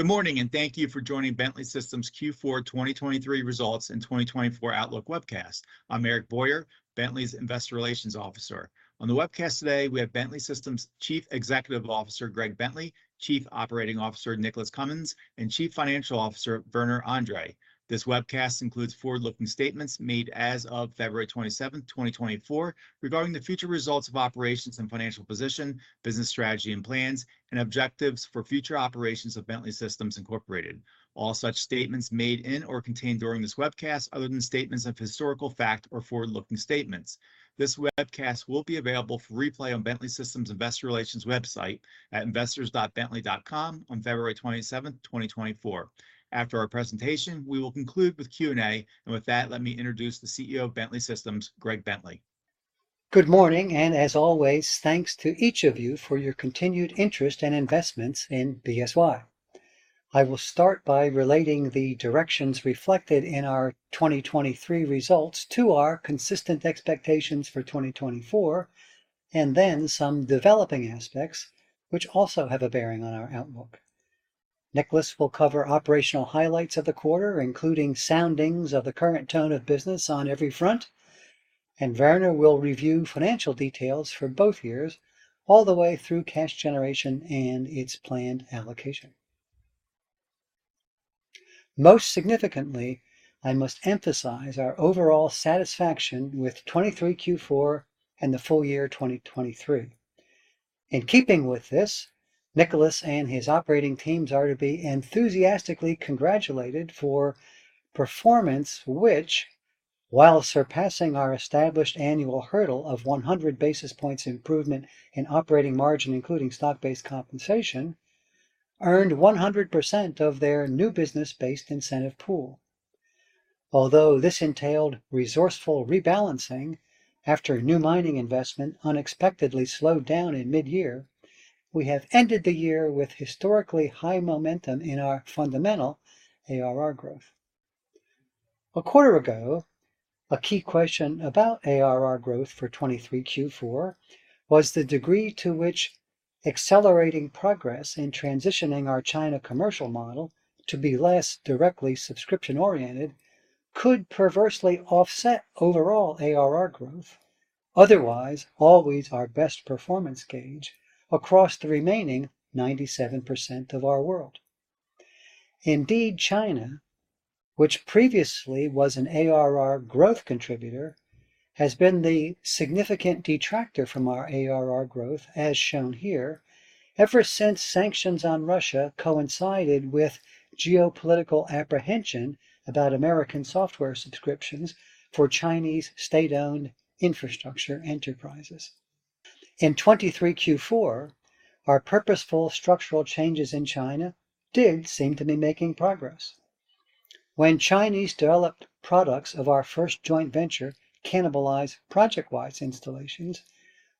Good morning, and thank you for joining Bentley Systems Q4 2023 Results and 2024 Outlook Webcast. I'm Eric Boyer, Bentley's Investor Relations Officer. On the webcast today, we have Bentley Systems Chief Executive Officer Greg Bentley, Chief Operating Officer Nicholas Cumins, and Chief Financial Officer Werner Andre. This webcast includes forward-looking statements made as of February 27, 2024, regarding the future results of operations and financial position, business strategy and plans, and objectives for future operations of Bentley Systems Incorporated. All such statements made in or contained during this webcast other than statements of historical fact or forward-looking statements. This webcast will be available for replay on Bentley Systems Investor Relations website at investors.bentley.com on February 27, 2024. After our presentation, we will conclude with Q&A, and with that, let me introduce the CEO of Bentley Systems, Greg Bentley. Good morning, and as always, thanks to each of you for your continued interest and investments in BSY. I will start by relating the directions reflected in our 2023 results to our consistent expectations for 2024, and then some developing aspects which also have a bearing on our outlook. Nicholas will cover operational highlights of the quarter, including soundings of the current tone of business on every front, and Werner will review financial details for both years all the way through cash generation and its planned allocation. Most significantly, I must emphasize our overall satisfaction with 2023 Q4 and the full year 2023. In keeping with this, Nicholas and his operating teams are to be enthusiastically congratulated for performance which, while surpassing our established annual hurdle of 100 basis points improvement in operating margin, including stock-based compensation, earned 100% of their new business-based incentive pool. Although this entailed resourceful rebalancing after new mining investment unexpectedly slowed down in mid-year, we have ended the year with historically high momentum in our fundamental ARR growth. A quarter ago, a key question about ARR growth for 2023 Q4 was the degree to which accelerating progress in transitioning our China commercial model to be less directly subscription-oriented could perversely offset overall ARR growth, otherwise always our best performance gauge, across the remaining 97% of our world. Indeed, China, which previously was an ARR growth contributor, has been the significant detractor from our ARR growth, as shown here, ever since sanctions on Russia coincided with geopolitical apprehension about American software subscriptions for Chinese state-owned infrastructure enterprises. In 2023 Q4, our purposeful structural changes in China did seem to be making progress. When Chinese-developed products of our first joint venture cannibalize ProjectWise installations,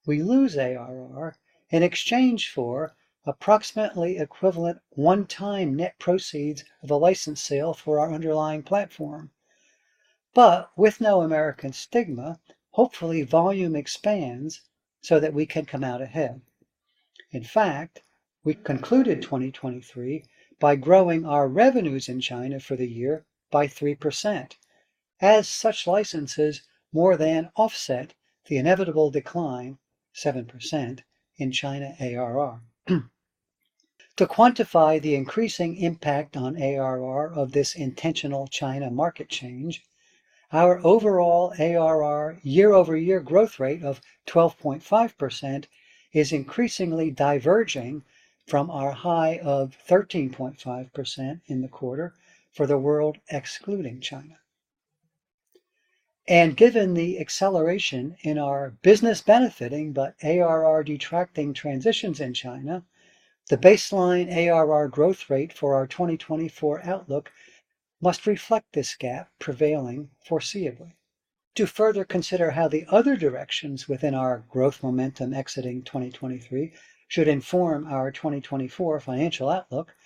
we lose ARR in exchange for approximately equivalent one-time net proceeds of a license sale for our underlying platform. But with no American stigma, hopefully volume expands so that we can come out ahead. In fact, we concluded 2023 by growing our revenues in China for the year by 3%, as such licenses more than offset the inevitable decline 7% in China ARR. To quantify the increasing impact on ARR of this intentional China market change, our overall ARR year-over-year growth rate of 12.5% is increasingly diverging from our high of 13.5% in the quarter for the world excluding China. And given the acceleration in our business-benefiting but ARR-detracting transitions in China, the baseline ARR growth rate for our 2024 outlook must reflect this gap prevailing foreseeably. To further consider how the other directions within our growth momentum exiting 2023 should inform our 2024 financial outlook,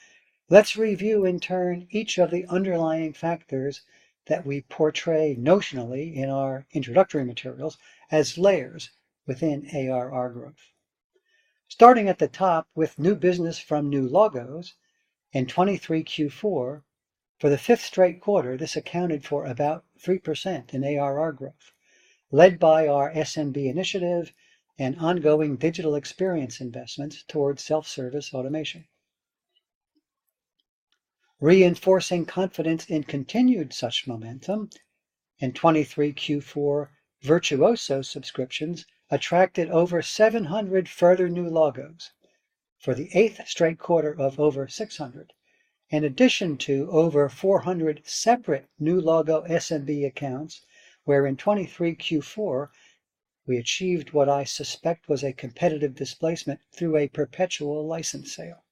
let's review in turn each of the underlying factors that we portray notionally in our introductory materials as layers within ARR growth. Starting at the top with new business from new logos in 2023 Q4, for the fifth straight quarter, this accounted for about 3% in ARR growth, led by our SMB initiative and ongoing digital experience investments towards self-service automation. Reinforcing confidence in continued such momentum in 2023 Q4, Virtuosity subscriptions attracted over 700 further new logos for the eighth straight quarter of over 600, in addition to over 400 separate new logo SMB accounts where in 2023 Q4 we achieved what I suspect was a competitive displacement through a perpetual license sale.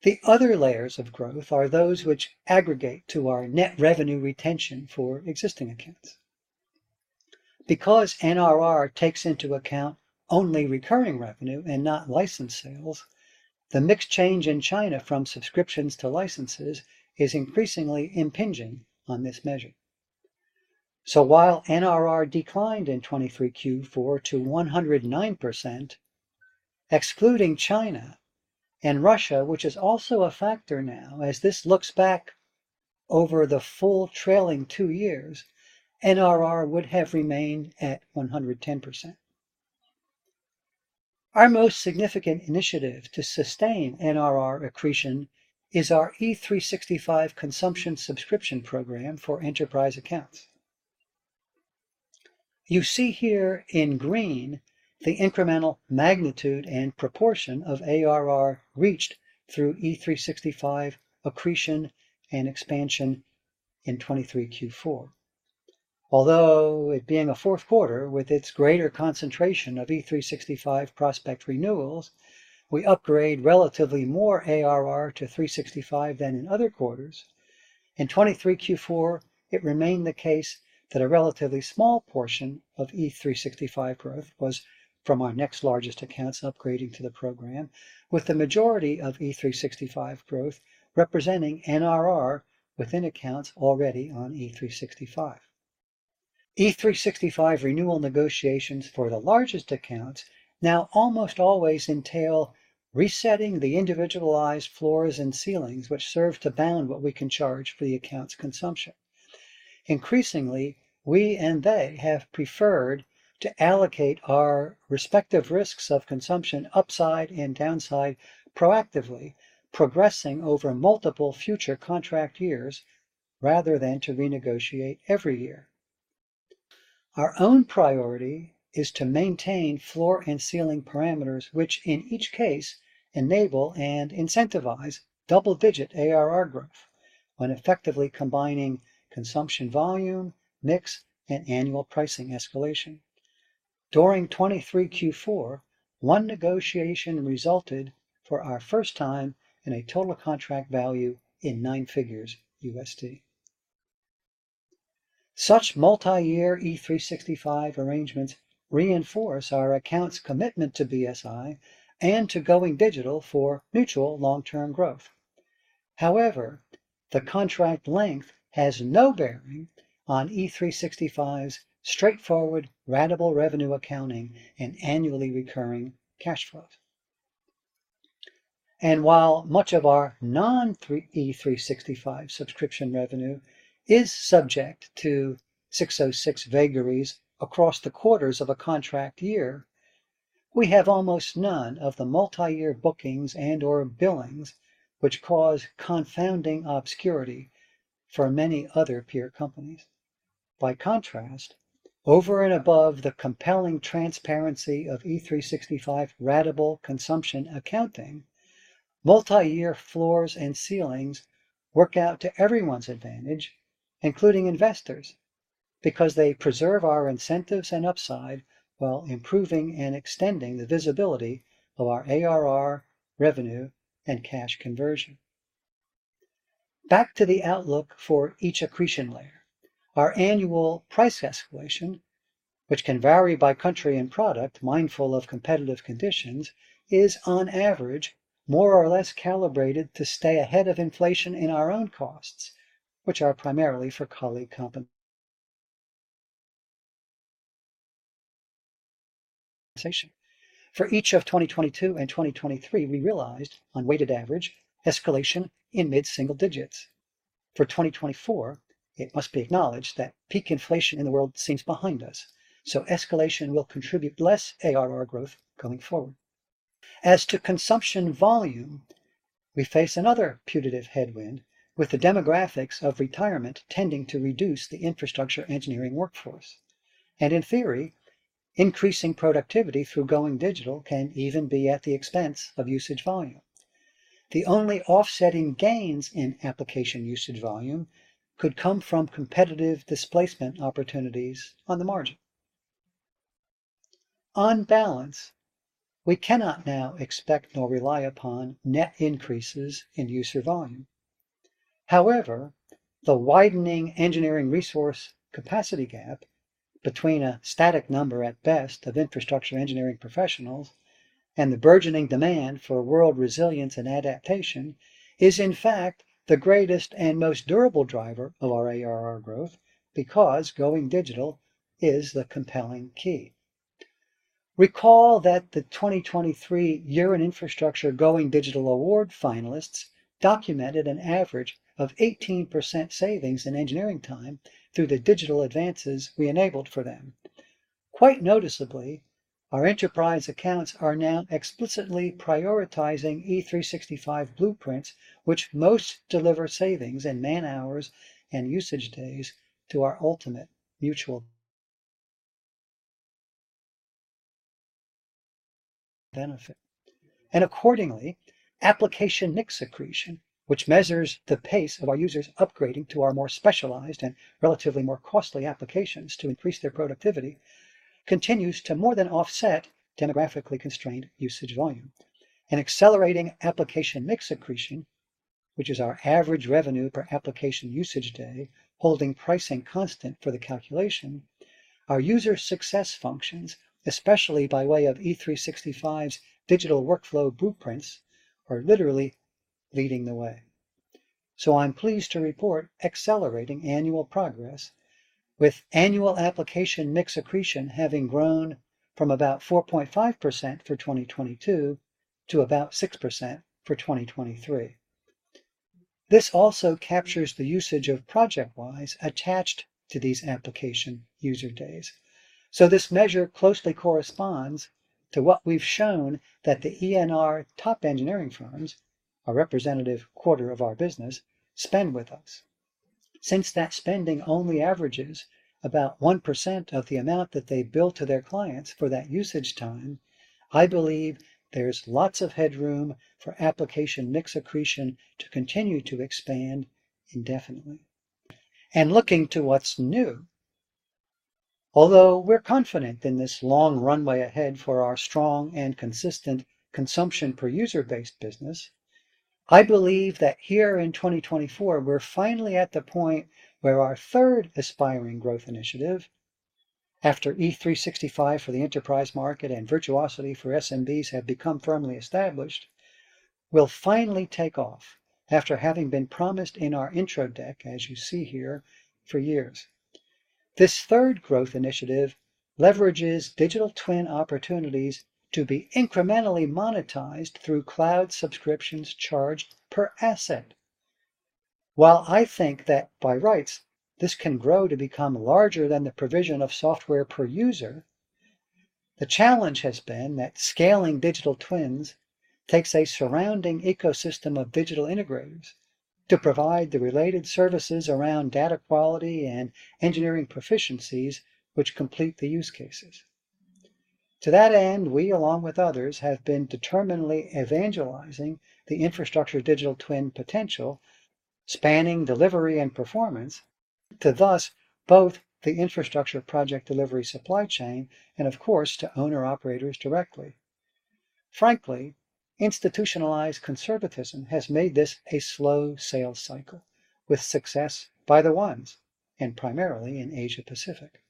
The other layers of growth are those which aggregate to our net revenue retention for existing accounts. Because NRR takes into account only recurring revenue and not license sales, the mixed change in China from subscriptions to licenses is increasingly impinging on this measure. So while NRR declined in 2023 Q4 to 109%, excluding China and Russia, which is also a factor now as this looks back over the full trailing two years, NRR would have remained at 110%. Our most significant initiative to sustain NRR accretion is our E365 consumption subscription program for enterprise accounts. You see here in green the incremental magnitude and proportion of ARR reached through E365 accretion and expansion in 2023 Q4. Although it being a fourth quarter with its greater concentration of E365 prospect renewals, we upgrade relatively more ARR to 365 than in other quarters. In 2023 Q4, it remained the case that a relatively small portion of E365 growth was from our next largest accounts upgrading to the program, with the majority of E365 growth representing NRR within accounts already on E365. E365 renewal negotiations for the largest accounts now almost always entail resetting the individualized floors and ceilings, which serve to bound what we can charge for the account's consumption. Increasingly, we and they have preferred to allocate our respective risks of consumption upside and downside proactively, progressing over multiple future contract years rather than to renegotiate every year. Our own priority is to maintain floor and ceiling parameters, which in each case enable and incentivize double-digit ARR growth when effectively combining consumption volume, mix, and annual pricing escalation. During 2023 Q4, one negotiation resulted for our first time in a total contract value in nine figures USD. Such multi-year E365 arrangements reinforce our account's commitment to BSI and to going digital for mutual long-term growth. However, the contract length has no bearing on E365's straightforward ratable revenue accounting and annually recurring cash flows. And while much of our non-E365 subscription revenue is subject to ASC 606 vagaries across the quarters of a contract year, we have almost none of the multi-year bookings and/or billings which cause confounding obscurity for many other peer companies. By contrast, over and above the compelling transparency of E365 ratable consumption accounting, multi-year floors and ceilings work out to everyone's advantage, including investors, because they preserve our incentives and upside while improving and extending the visibility of our ARR, revenue, and cash conversion. Back to the outlook for each accretion layer. Our annual price escalation, which can vary by country and product, mindful of competitive conditions, is on average more or less calibrated to stay ahead of inflation in our own costs, which are primarily for colleague compensation. For each of 2022 and 2023, we realized, on weighted average, escalation in mid-single digits. For 2024, it must be acknowledged that peak inflation in the world seems behind us, so escalation will contribute less ARR growth going forward. As to consumption volume, we face another putative headwind with the demographics of retirement tending to reduce the infrastructure engineering workforce. In theory, increasing productivity through going digital can even be at the expense of usage volume. The only offsetting gains in application usage volume could come from competitive displacement opportunities on the margin. On balance, we cannot now expect nor rely upon net increases in user volume. However, the widening engineering resource capacity gap between a static number at best of infrastructure engineering professionals and the burgeoning demand for world resilience and adaptation is, in fact, the greatest and most durable driver of our ARR growth because going digital is the compelling key. Recall that the 2023 Year in Infrastructure Going Digital Award finalists documented an average of 18% savings in engineering time through the digital advances we enabled for them. Quite noticeably, our enterprise accounts are now explicitly prioritizing E365 blueprints, which most deliver savings in man-hours and usage days to our ultimate mutual benefit. Accordingly, application mix accretion, which measures the pace of our users upgrading to our more specialized and relatively more costly applications to increase their productivity, continues to more than offset demographically constrained usage volume. Accelerating application mix accretion, which is our average revenue per application usage day, holding pricing constant for the calculation, our user success functions, especially by way of E365's digital workflow blueprints, are literally leading the way. I'm pleased to report accelerating annual progress with annual application mix accretion having grown from about 4.5% for 2022 to about 6% for 2023. This also captures the usage of ProjectWise attached to these application user days. This measure closely corresponds to what we've shown that the ENR top engineering firms, our representative quarter of our business, spend with us. Since that spending only averages about 1% of the amount that they bill to their clients for that usage time, I believe there's lots of headroom for application mix accretion to continue to expand indefinitely. Looking to what's new, although we're confident in this long runway ahead for our strong and consistent consumption per user-based business, I believe that here in 2024, we're finally at the point where our third aspiring growth initiative, after E365 for the enterprise market and Virtuosity for SMBs have become firmly established, will finally take off after having been promised in our intro deck, as you see here, for years. This third growth initiative leverages digital twin opportunities to be incrementally monetized through cloud subscriptions charged per asset. While I think that by rights this can grow to become larger than the provision of software per user, the challenge has been that scaling digital twins takes a surrounding ecosystem of digital integrators to provide the related services around data quality and engineering proficiencies which complete the use cases. To that end, we, along with others, have been determinedly evangelizing the infrastructure Digital Twin potential, spanning delivery and performance, to thus both the infrastructure project delivery supply chain and, of course, to owner-operators directly. Frankly, institutionalized conservatism has made this a slow sales cycle with success by the ones, and primarily in Asia-Pacific.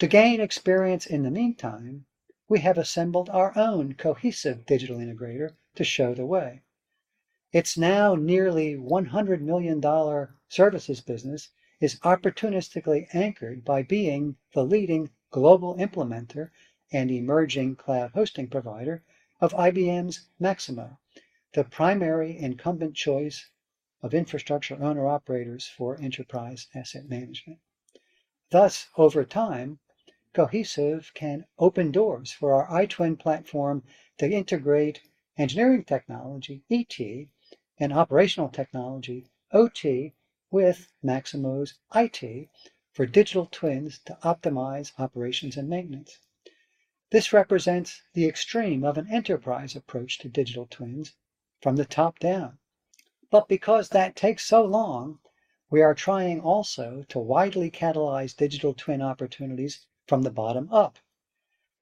To gain experience in the meantime, we have assembled our own Cohesive digital integrator to show the way. It's now nearly $100 million services business is opportunistically anchored by being the leading global implementer and emerging cloud hosting provider of IBM's Maximo, the primary incumbent choice of infrastructure owner-operators for enterprise asset management. Thus, over time, Cohesive can open doors for our iTwin Platform to integrate engineering technology, ET, and operational technology, OT, with Maximo's IT for Digital Twins to optimize operations and maintenance. This represents the extreme of an enterprise approach to digital twins from the top down. But because that takes so long, we are trying also to widely catalyze digital twin opportunities from the bottom up.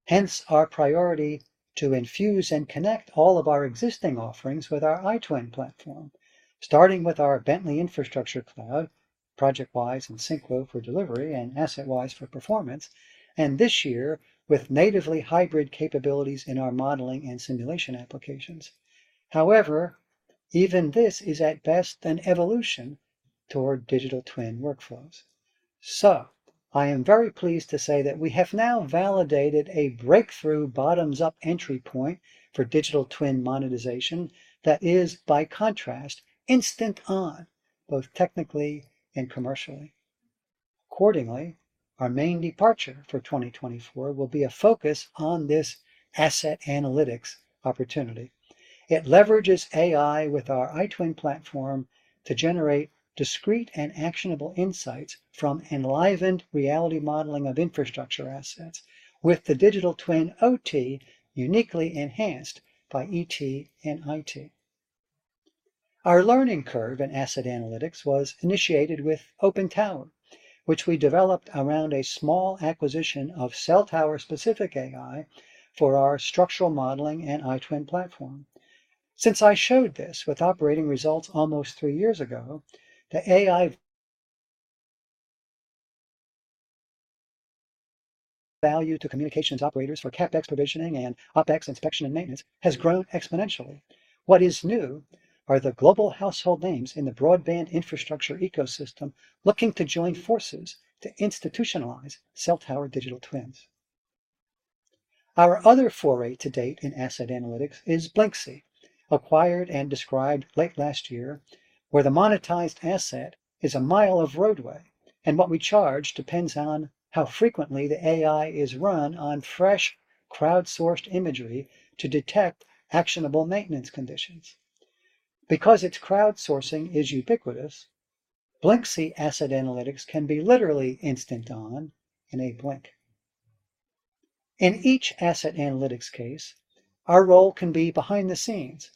Hence, our priority to infuse and connect all of our existing offerings with our iTwin Platform, starting with our Bentley Infrastructure Cloud, ProjectWise and SYNCHRO for delivery and AssetWise for performance, and this year with natively hybrid capabilities in our modeling and simulation applications. However, even this is at best an evolution toward digital twin workflows. So I am very pleased to say that we have now validated a breakthrough bottoms-up entry point for digital twin monetization that is, by contrast, instant on, both technically and commercially. Accordingly, our main departure for 2024 will be a focus on this asset analytics opportunity. It leverages AI with our iTwin platform to generate discrete and actionable insights from enlivened reality modeling of infrastructure assets with the digital twin OT uniquely enhanced by ET and IT. Our learning curve in asset analytics was initiated with OpenTower, which we developed around a small acquisition of cell tower-specific AI for our structural modeling and iTwin platform. Since I showed this with operating results almost three years ago, the AI value to communications operators for CapEx provisioning and OpEx inspection and maintenance has grown exponentially. What is new are the global household names in the broadband infrastructure ecosystem looking to join forces to institutionalize cell tower digital twins. Our other foray to date in asset analytics is Blyncsy, acquired and described late last year, where the monetized asset is a mile of roadway and what we charge depends on how frequently the AI is run on fresh crowdsourced imagery to detect actionable maintenance conditions. Because its crowdsourcing is ubiquitous, Blyncsy asset analytics can be literally instant on in a blink. In each asset analytics case, our role can be behind the scenes,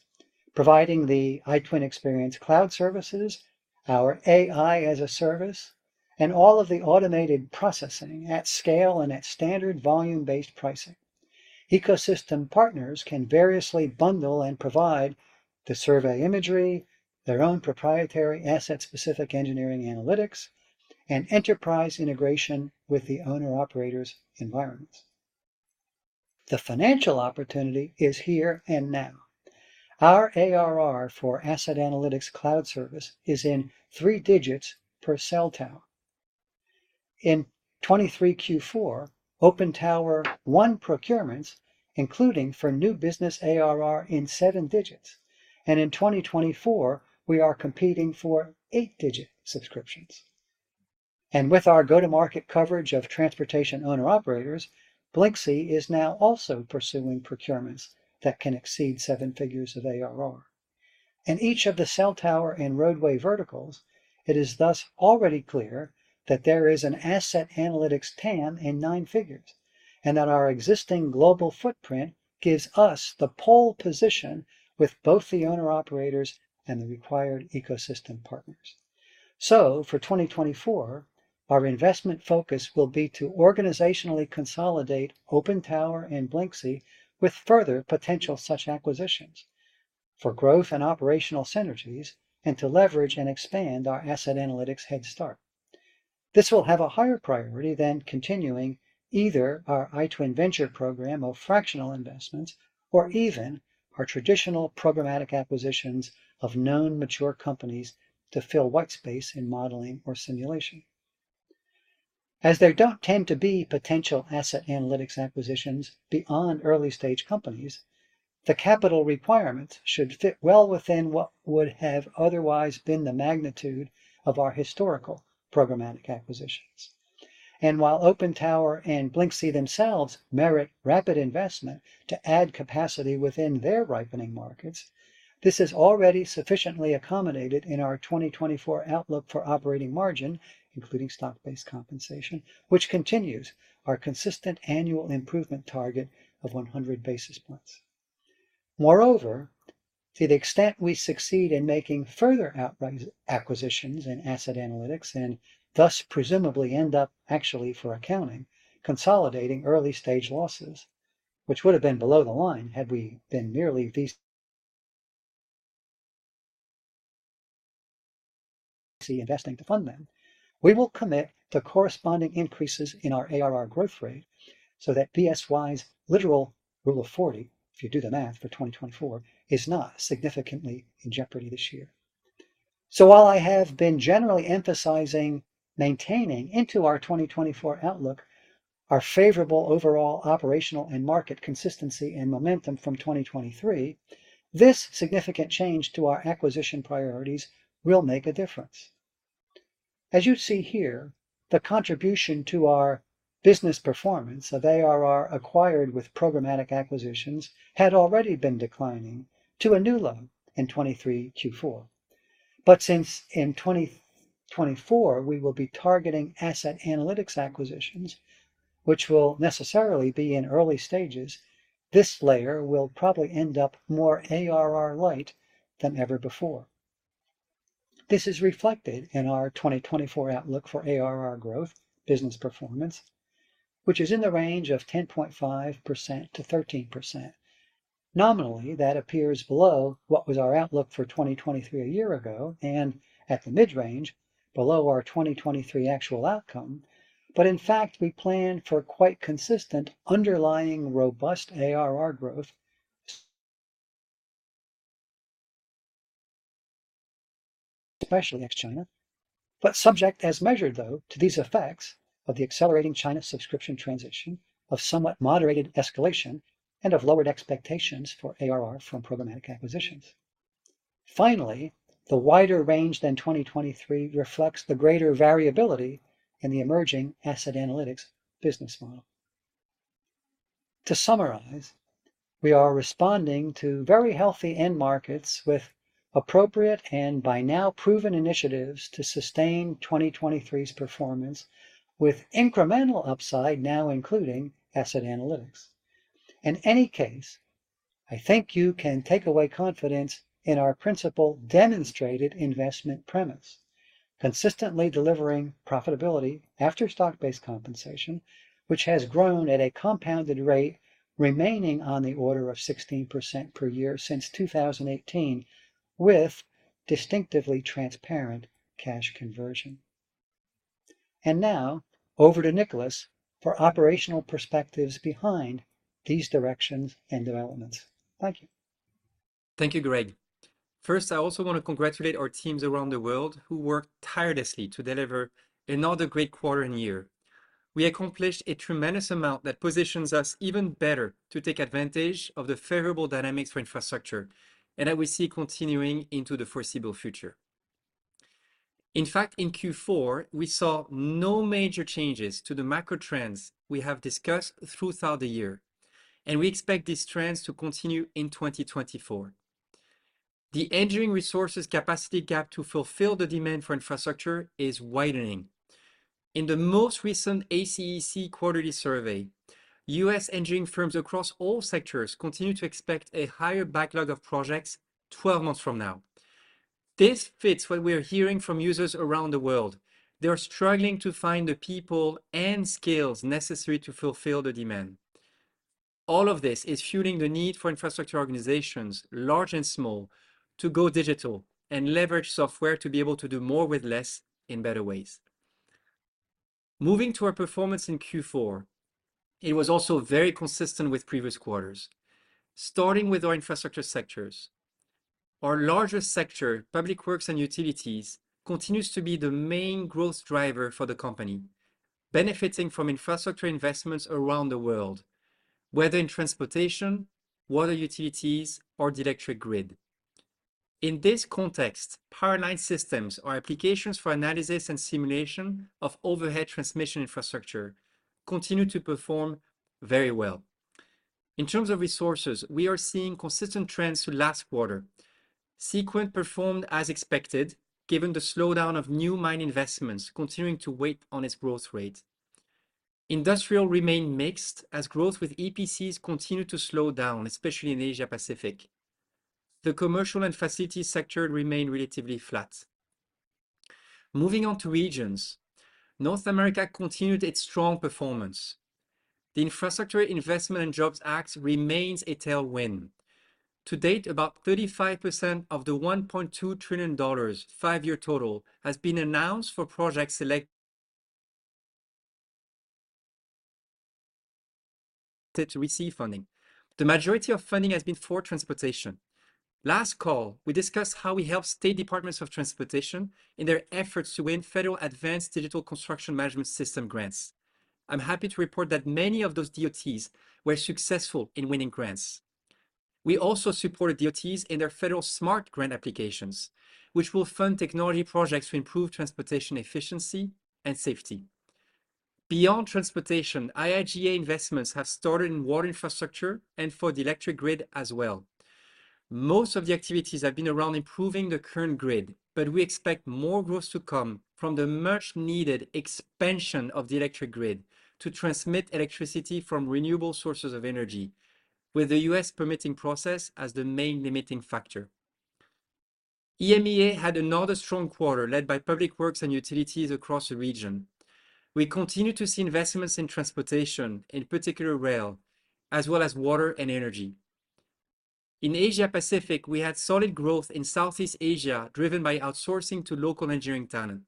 providing the iTwin experience cloud services, our AI as a service, and all of the automated processing at scale and at standard volume-based pricing. Ecosystem partners can variously bundle and provide the survey imagery, their own proprietary asset-specific engineering analytics, and enterprise integration with the owner-operators environments. The financial opportunity is here and now. Our ARR for asset analytics cloud service is in three digits per cell tower. In 2023 Q4, OpenTower won procurements, including for new business ARR in seven digits, and in 2024, we are competing for eight-digit subscriptions. With our go-to-market coverage of transportation owner-operators, Blyncsy is now also pursuing procurements that can exceed seven figures of ARR. In each of the cell tower and roadway verticals, it is thus already clear that there is an asset analytics TAM in nine figures and that our existing global footprint gives us the pole position with both the owner-operators and the required ecosystem partners. For 2024, our investment focus will be to organizationally consolidate OpenTower and Blyncsy with further potential such acquisitions for growth and operational synergies and to leverage and expand our asset analytics head start. This will have a higher priority than continuing either our iTwin Venture program of fractional investments or even our traditional programmatic acquisitions of known mature companies to fill whitespace in modeling or simulation. As there don't tend to be potential asset analytics acquisitions beyond early-stage companies, the capital requirements should fit well within what would have otherwise been the magnitude of our historical programmatic acquisitions. And while OpenTower and Blyncsy themselves merit rapid investment to add capacity within their ripening markets, this is already sufficiently accommodated in our 2024 outlook for operating margin, including stock-based compensation, which continues our consistent annual improvement target of 100 basis points. Moreover, to the extent we succeed in making further outright acquisitions in asset analytics and thus presumably end up actually for accounting, consolidating early-stage losses, which would have been below the line had we been merely investing to fund them, we will commit to corresponding increases in our ARR growth rate so that BSY's literal rule of 40, if you do the math for 2024, is not significantly in jeopardy this year. So while I have been generally emphasizing maintaining into our 2024 outlook our favorable overall operational and market consistency and momentum from 2023, this significant change to our acquisition priorities will make a difference. As you see here, the contribution to our business performance of ARR acquired with programmatic acquisitions had already been declining to a new low in 2023 Q4. But since in 2024, we will be targeting asset analytics acquisitions, which will necessarily be in early stages, this layer will probably end up more ARR light than ever before. This is reflected in our 2024 outlook for ARR growth, business performance, which is in the range of 10.5%-13%. Nominally, that appears below what was our outlook for 2023 a year ago and at the mid-range, below our 2023 actual outcome, but in fact, we plan for quite consistent underlying robust ARR growth, especially ex-China, but subject as measured, though, to these effects of the accelerating China subscription transition, of somewhat moderated escalation, and of lowered expectations for ARR from programmatic acquisitions. Finally, the wider range than 2023 reflects the greater variability in the emerging asset analytics business model. To summarize, we are responding to very healthy end markets with appropriate and by now proven initiatives to sustain 2023's performance with incremental upside now including asset analytics. In any case, I think you can take away confidence in our proven demonstrated investment premise, consistently delivering profitability after stock-based compensation, which has grown at a compounded rate remaining on the order of 16% per year since 2018 with distinctively transparent cash conversion. Now over to Nicholas for operational perspectives behind these directions and developments. Thank you. Thank you, Greg. First, I also want to congratulate our teams around the world who worked tirelessly to deliver another great quarter in the year. We accomplished a tremendous amount that positions us even better to take advantage of the favorable dynamics for infrastructure and that we see continuing into the foreseeable future. In fact, in Q4, we saw no major changes to the macro trends we have discussed throughout the year, and we expect these trends to continue in 2024. The engineering resources capacity gap to fulfill the demand for infrastructure is widening. In the most recent ACEC quarterly survey, U.S. engineering firms across all sectors continue to expect a higher backlog of projects 12 months from now. This fits what we are hearing from users around the world. They are struggling to find the people and skills necessary to fulfill the demand. All of this is fueling the need for infrastructure organizations, large and small, to go digital and leverage software to be able to do more with less in better ways. Moving to our performance in Q4, it was also very consistent with previous quarters. Starting with our infrastructure sectors, our largest sector, public works and utilities, continues to be the main growth driver for the company, benefiting from infrastructure investments around the world, whether in transportation, water utilities, or the electric grid. In this context, Power Line Systems, our applications for analysis and simulation of overhead transmission infrastructure, continue to perform very well. In terms of resources, we are seeing consistent trends to last quarter. Seequent performed as expected, given the slowdown of new mine investments continuing to wait on its growth rate. Industrial remained mixed as growth with EPCs continued to slow down, especially in Asia-Pacific. The commercial and facilities sector remain relatively flat. Moving on to regions, North America continued its strong performance. The Infrastructure Investment and Jobs Act remains a tailwind. To date, about 35% of the $1.2 trillion, five-year total, has been announced for projects selected to receive funding. The majority of funding has been for transportation. Last call, we discussed how we help State Departments of Transportation in their efforts to win federal Advanced Digital Construction Management System grants. I'm happy to report that many of those DOTs were successful in winning grants. We also supported DOTs in their federal SMART grant applications, which will fund technology projects to improve transportation efficiency and safety. Beyond transportation, IIJA investments have started in water infrastructure and for the electric grid as well. Most of the activities have been around improving the current grid, but we expect more growth to come from the much-needed expansion of the electric grid to transmit electricity from renewable sources of energy, with the U.S. permitting process as the main limiting factor. EMEA had another strong quarter led by public works and utilities across the region. We continue to see investments in transportation, in particular rail, as well as water and energy. In Asia-Pacific, we had solid growth in Southeast Asia driven by outsourcing to local engineering talent.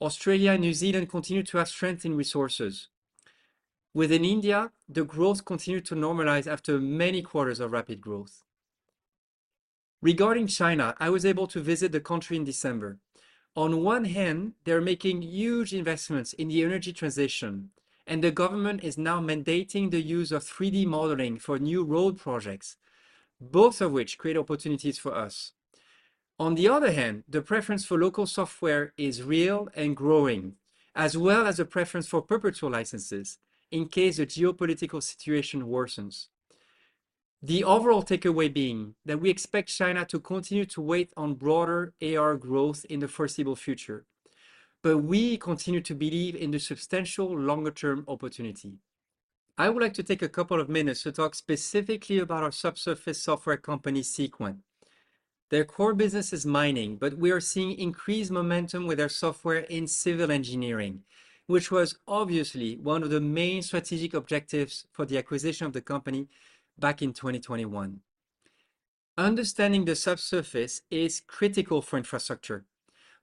Australia and New Zealand continue to have strength in resources. Within India, the growth continued to normalize after many quarters of rapid growth. Regarding China, I was able to visit the country in December. On one hand, they're making huge investments in the energy transition, and the government is now mandating the use of 3D modeling for new road projects, both of which create opportunities for us. On the other hand, the preference for local software is real and growing, as well as a preference for perpetual licenses in case the geopolitical situation worsens. The overall takeaway being that we expect China to continue to wait on broader AR growth in the foreseeable future, but we continue to believe in the substantial longer-term opportunity. I would like to take a couple of minutes to talk specifically about our subsurface software company, Seequent. Their core business is mining, but we are seeing increased momentum with their software in civil engineering, which was obviously one of the main strategic objectives for the acquisition of the company back in 2021. Understanding the subsurface is critical for infrastructure.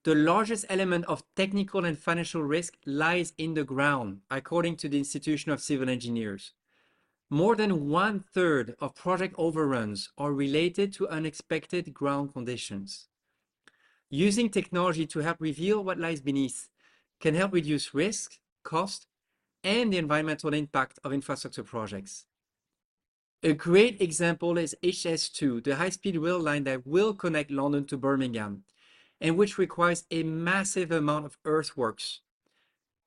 The largest element of technical and financial risk lies in the ground, according to the Institution of Civil Engineers. More than one-third of project overruns are related to unexpected ground conditions. Using technology to help reveal what lies beneath can help reduce risk, cost, and the environmental impact of infrastructure projects. A great example is HS2, the high-speed rail line that will connect London to Birmingham, and which requires a massive amount of earthworks.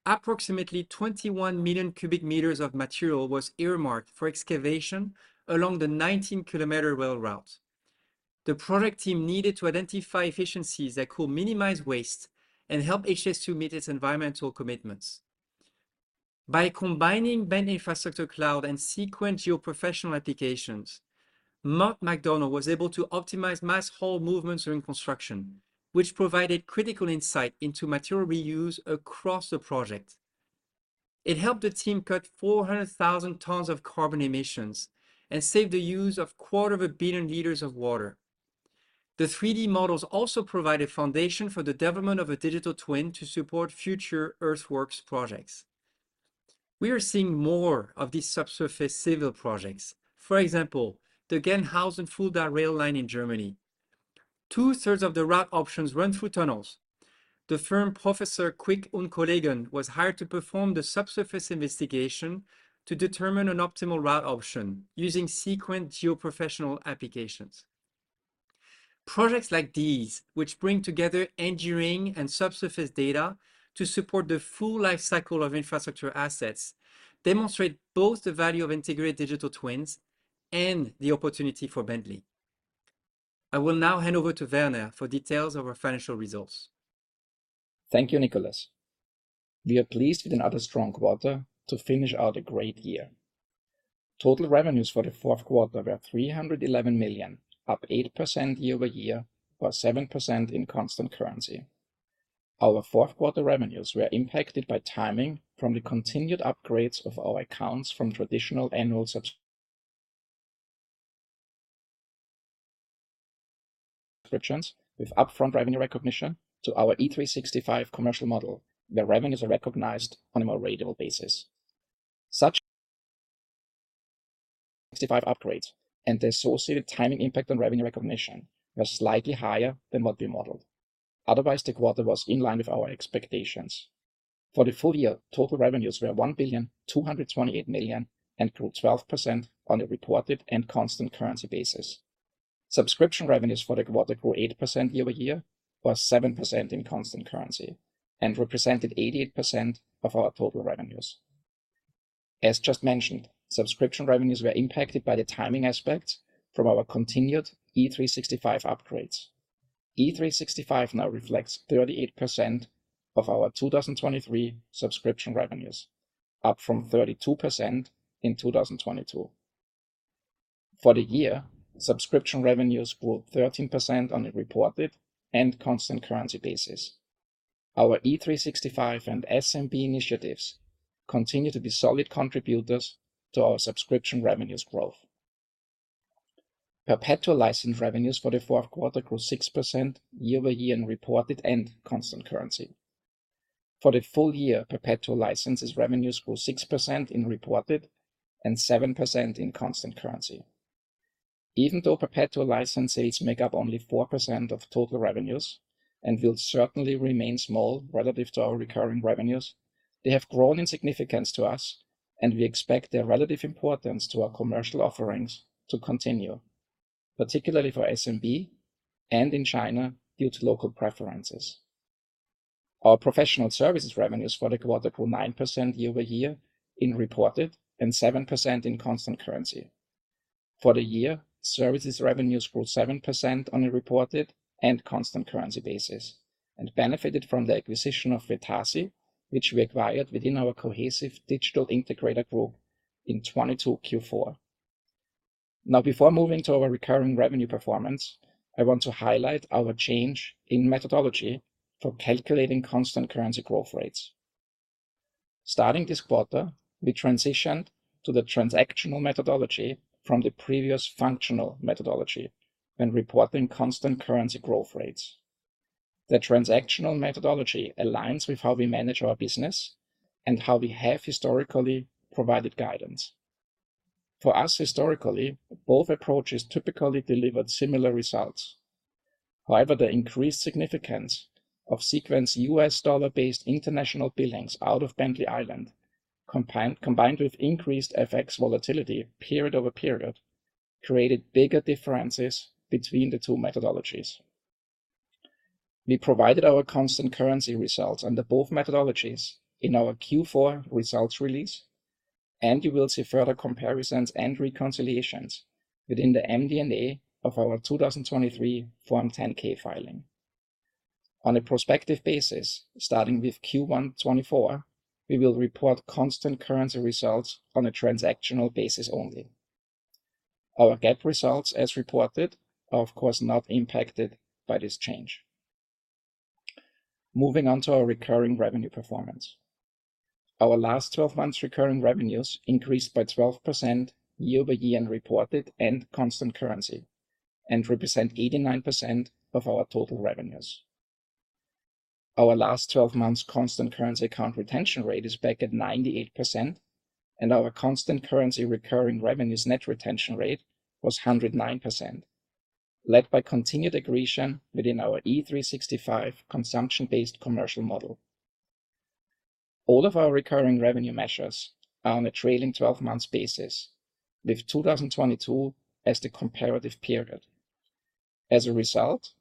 Approximately 21 million cubic meters of material was earmarked for excavation along the 19-kilometer rail route. The project team needed to identify efficiencies that could minimize waste and help HS2 meet its environmental commitments. By combining Bentley Infrastructure Cloud and Seequent geoprofessional applications, Mott MacDonald was able to optimize mass haul movements during construction, which provided critical insight into material reuse across the project. It helped the team cut 400,000 tons of carbon emissions and saved the use of 250 million liters of water. The 3D models also provided a foundation for the development of a digital twin to support future earthworks projects. We are seeing more of these subsurface civil projects. For example, the Gerstungen-Fulda rail line in Germany. Two-thirds of the route options run through tunnels. The firm Professor Feucker und Kollegen was hired to perform the subsurface investigation to determine an optimal route option using Seequent geoprofessional applications. Projects like these, which bring together engineering and subsurface data to support the full lifecycle of infrastructure assets, demonstrate both the value of integrated digital twins and the opportunity for Bentley. I will now hand over to Werner for details of our financial results. Thank you, Nicholas. We are pleased with another strong quarter to finish out a great year. Total revenues for the fourth quarter were $311 million, up 8% year-over-year or 7% in constant currency. Our fourth quarter revenues were impacted by timing from the continued upgrades of our accounts from traditional annual subscriptions with upfront revenue recognition to our E365 commercial model, where revenues are recognized on a more ratable basis. Such upgrades and the associated timing impact on revenue recognition were slightly higher than what we modeled. Otherwise, the quarter was in line with our expectations. For the full year, total revenues were $1.228 billion and grew 12% on a reported and constant currency basis. Subscription revenues for the quarter grew 8% year-over-year or 7% in constant currency and represented 88% of our total revenues. As just mentioned, subscription revenues were impacted by the timing aspects from our continued E365 upgrades. E365 now reflects 38% of our 2023 subscription revenues, up from 32% in 2022. For the year, subscription revenues grew 13% on a reported and constant currency basis. Our E365 and SMB initiatives continue to be solid contributors to our subscription revenues growth. Perpetual license revenues for the fourth quarter grew 6% year-over-year in reported and constant currency. For the full year, perpetual licenses revenues grew 6% in reported and 7% in constant currency. Even though perpetual license sales make up only 4% of total revenues and will certainly remain small relative to our recurring revenues, they have grown in significance to us, and we expect their relative importance to our commercial offerings to continue, particularly for SMB and in China due to local preferences. Our professional services revenues for the quarter grew 9% year-over-year in reported and 7% in constant currency. For the year, services revenues grew 7% on a reported and constant currency basis and benefited from the acquisition of Vetasi, which we acquired within our Cohesive digital integrator group in 22Q4. Now, before moving to our recurring revenue performance, I want to highlight our change in methodology for calculating constant currency growth rates. Starting this quarter, we transitioned to the transactional methodology from the previous functional methodology when reporting constant currency growth rates. The transactional methodology aligns with how we manage our business and how we have historically provided guidance. For us, historically, both approaches typically delivered similar results. However, the increased significance of Seequent's U.S. dollar-based international billings out of Bentley Ireland, combined with increased FX volatility period-over-period, created bigger differences between the two methodologies. We provided our constant currency results under both methodologies in our Q4 results release, and you will see further comparisons and reconciliations within the MD&A of our 2023 Form 10-K filing. On a prospective basis, starting with Q124, we will report constant currency results on a transactional basis only. Our GAAP results, as reported, are, of course, not impacted by this change. Moving on to our recurring revenue performance. Our last 12 months' recurring revenues increased by 12% year-over-year in reported and constant currency and represent 89% of our total revenues. Our last 12 months' constant currency account retention rate is back at 98%, and our constant currency recurring revenues net retention rate was 109%, led by continued aggression within our E365 consumption-based commercial model. All of our recurring revenue measures are on a trailing 12-month basis, with 2022 as the comparative period. As a result,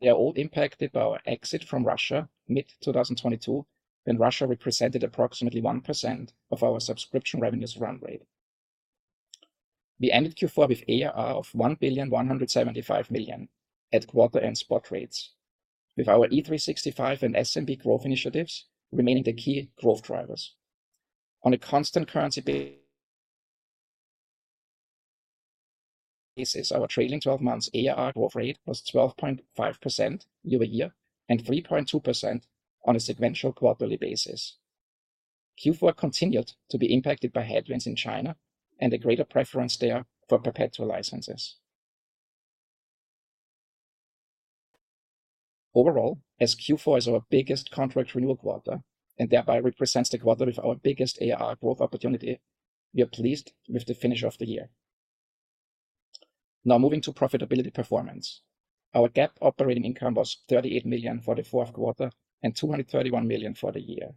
they are all impacted by our exit from Russia mid-2022, when Russia represented approximately 1% of our subscription revenues run rate. We ended Q4 with ARR of $1.175 billion at quarter-end spot rates, with our E365 and SMB growth initiatives remaining the key growth drivers. On a constant currency basis, our trailing 12 months' ARR growth rate was 12.5% year-over-year and 3.2% on a sequential quarterly basis. Q4 continued to be impacted by headwinds in China and a greater preference there for perpetual licenses. Overall, as Q4 is our biggest contract renewal quarter and thereby represents the quarter with our biggest ARR growth opportunity, we are pleased with the finish of the year. Now, moving to profitability performance. Our GAAP operating income was $38 million for the fourth quarter and $231 million for the year.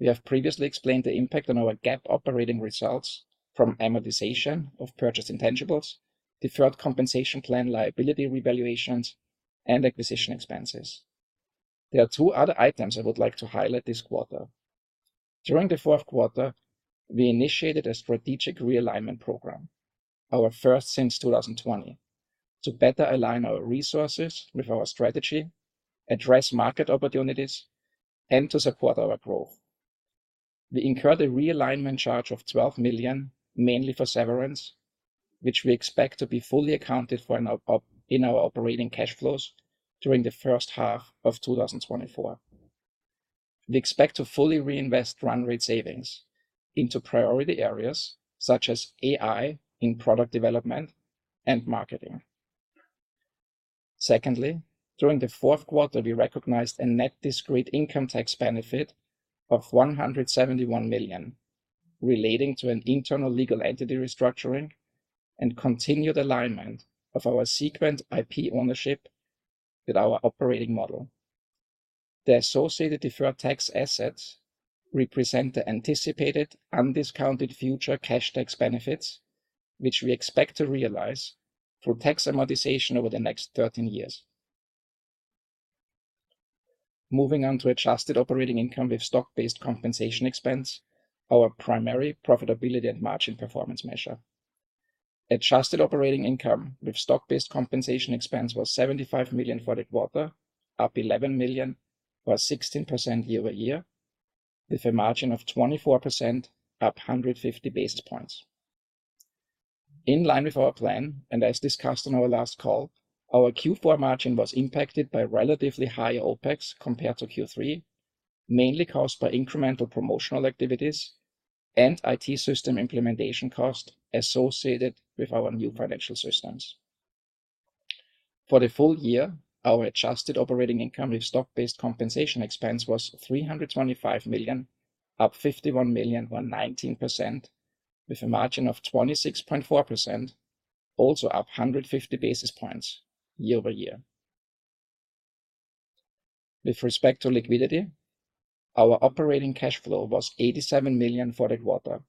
We have previously explained the impact on our GAAP operating results from amortization of purchased intangibles, deferred compensation plan liability revaluations, and acquisition expenses. There are two other items I would like to highlight this quarter. During the fourth quarter, we initiated a strategic realignment program, our first since 2020, to better align our resources with our strategy, address market opportunities, and to support our growth. We incurred a realignment charge of $12 million mainly for severance, which we expect to be fully accounted for in our operating cash flows during the first half of 2024. We expect to fully reinvest run rate savings into priority areas such as AI in product development and marketing. Secondly, during the fourth quarter, we recognized a net discrete income tax benefit of $171 million relating to an internal legal entity restructuring and continued alignment of our Seequent IP ownership with our operating model. The associated deferred tax assets represent the anticipated undiscounted future cash tax benefits, which we expect to realize through tax amortization over the next 13 years. Moving on to adjusted operating income with stock-based compensation expense, our primary profitability and margin performance measure. Adjusted operating income with stock-based compensation expense was $75 million for the quarter, up $11 million or 16% year-over-year, with a margin of 24%, up 150 basis points. In line with our plan and as discussed on our last call, our Q4 margin was impacted by relatively high OpEx compared to Q3, mainly caused by incremental promotional activities and IT system implementation costs associated with our new financial systems. For the full year, our adjusted operating income with stock-based compensation expense was $325 million, up $51 million or 19%, with a margin of 26.4%, also up 150 basis points year-over-year. With respect to liquidity, our operating cash flow was $87 million for the quarter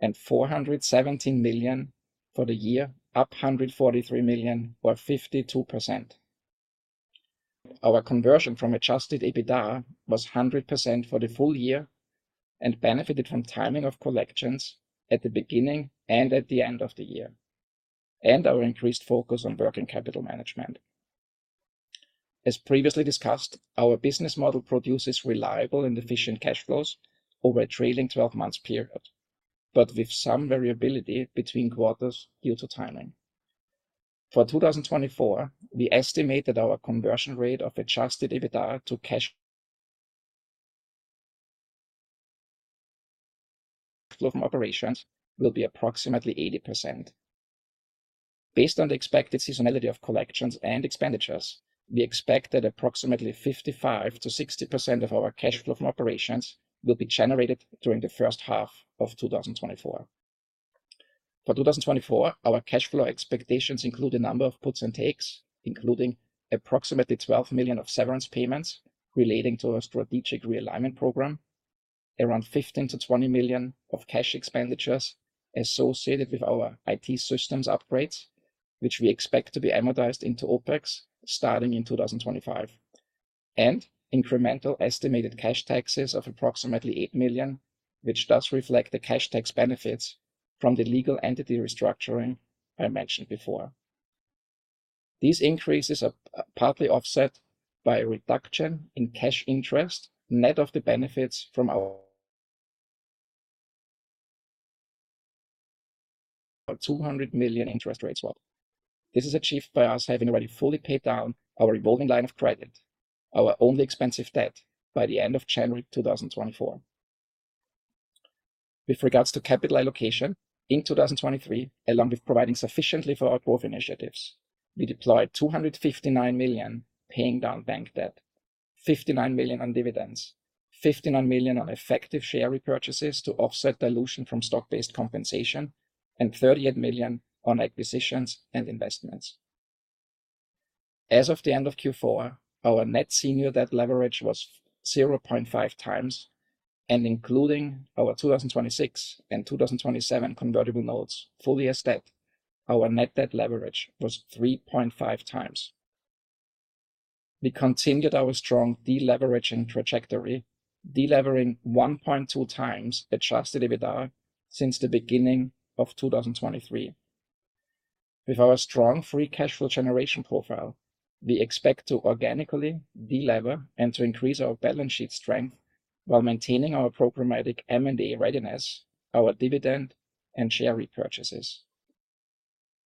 and $417 million for the year, up $143 million or 52%. Our conversion from adjusted EBITDA was 100% for the full year and benefited from timing of collections at the beginning and at the end of the year, and our increased focus on working capital management. As previously discussed, our business model produces reliable and efficient cash flows over a trailing 12-month period, but with some variability between quarters due to timing. For 2024, we estimated our conversion rate of adjusted EBITDA to cash flow from operations will be approximately 80%. Based on the expected seasonality of collections and expenditures, we expect that approximately 55%-60% of our cash flow from operations will be generated during the first half of 2024. For 2024, our cash flow expectations include a number of puts and takes, including approximately $12 million of severance payments relating to our strategic realignment program, around $15 million-$20 million of cash expenditures associated with our IT systems upgrades, which we expect to be amortized into OpEx starting in 2025, and incremental estimated cash taxes of approximately $8 million, which does reflect the cash tax benefits from the legal entity restructuring I mentioned before. These increases are partly offset by a reduction in cash interest net of the benefits from our $200 million interest rate swap. This is achieved by us having already fully paid down our revolving line of credit, our only expensive debt, by the end of January 2024. With regards to capital allocation, in 2023, along with providing sufficiently for our growth initiatives, we deployed $259 million paying down bank debt, $59 million on dividends, $59 million on effective share repurchases to offset dilution from stock-based compensation, and $38 million on acquisitions and investments. As of the end of Q4, our net senior debt leverage was 0.5x, and including our 2026 and 2027 convertible notes fully as debt, our net debt leverage was 3.5x. We continued our strong deleveraging trajectory, delevering 1.2x adjusted EBITDA since the beginning of 2023. With our strong free cash flow generation profile, we expect to organically delever and to increase our balance sheet strength while maintaining our programmatic M&A readiness, our dividend and share repurchases.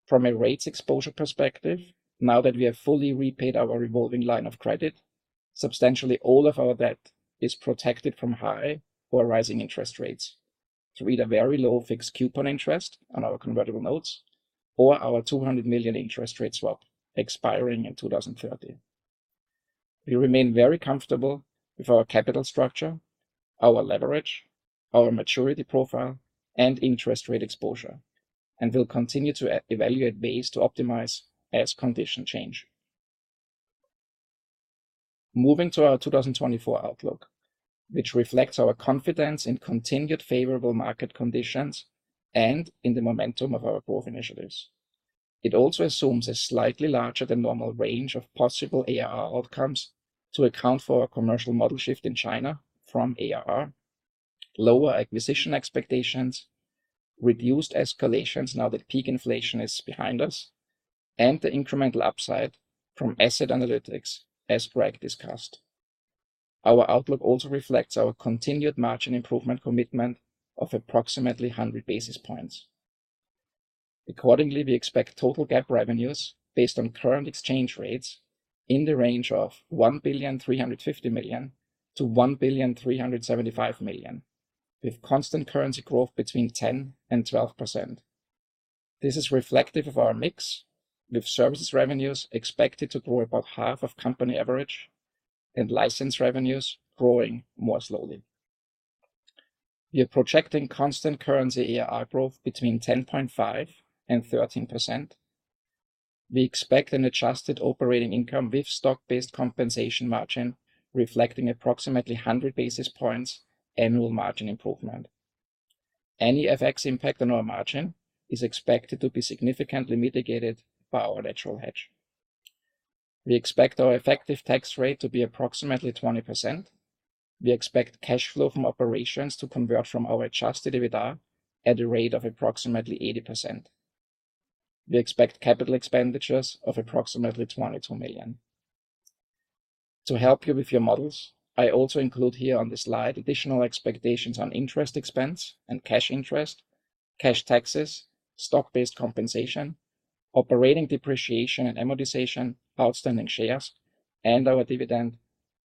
From a rates exposure perspective, now that we have fully repaid our revolving line of credit, substantially all of our debt is protected from high or rising interest rates, through either very low fixed coupon interest on our convertible notes or our $200 million interest rate swap expiring in 2030. We remain very comfortable with our capital structure, our leverage, our maturity profile, and interest rate exposure, and will continue to evaluate ways to optimize as conditions change. Moving to our 2024 outlook, which reflects our confidence in continued favorable market conditions and in the momentum of our growth initiatives. It also assumes a slightly larger than normal range of possible ARR outcomes to account for our commercial model shift in China from ARR, lower acquisition expectations, reduced escalations now that peak inflation is behind us, and the incremental upside from asset analytics, as Greg discussed. Our outlook also reflects our continued margin improvement commitment of approximately 100 basis points. Accordingly, we expect total GAAP revenues based on current exchange rates in the range of $1.35 billion-$1.375 billion, with constant currency growth between 10%-12%. This is reflective of our mix, with services revenues expected to grow about half of company average and license revenues growing more slowly. We are projecting constant currency ARR growth between 10.5%-13%. We expect an adjusted operating income with stock-based compensation margin reflecting approximately 100 basis points annual margin improvement. Any FX impact on our margin is expected to be significantly mitigated by our natural hedge. We expect our effective tax rate to be approximately 20%. We expect cash flow from operations to convert from our adjusted EBITDA at a rate of approximately 80%. We expect capital expenditures of approximately $22 million. To help you with your models, I also include here on the slide additional expectations on interest expense and cash interest, cash taxes, stock-based compensation, operating depreciation and amortization, outstanding shares, and our dividend,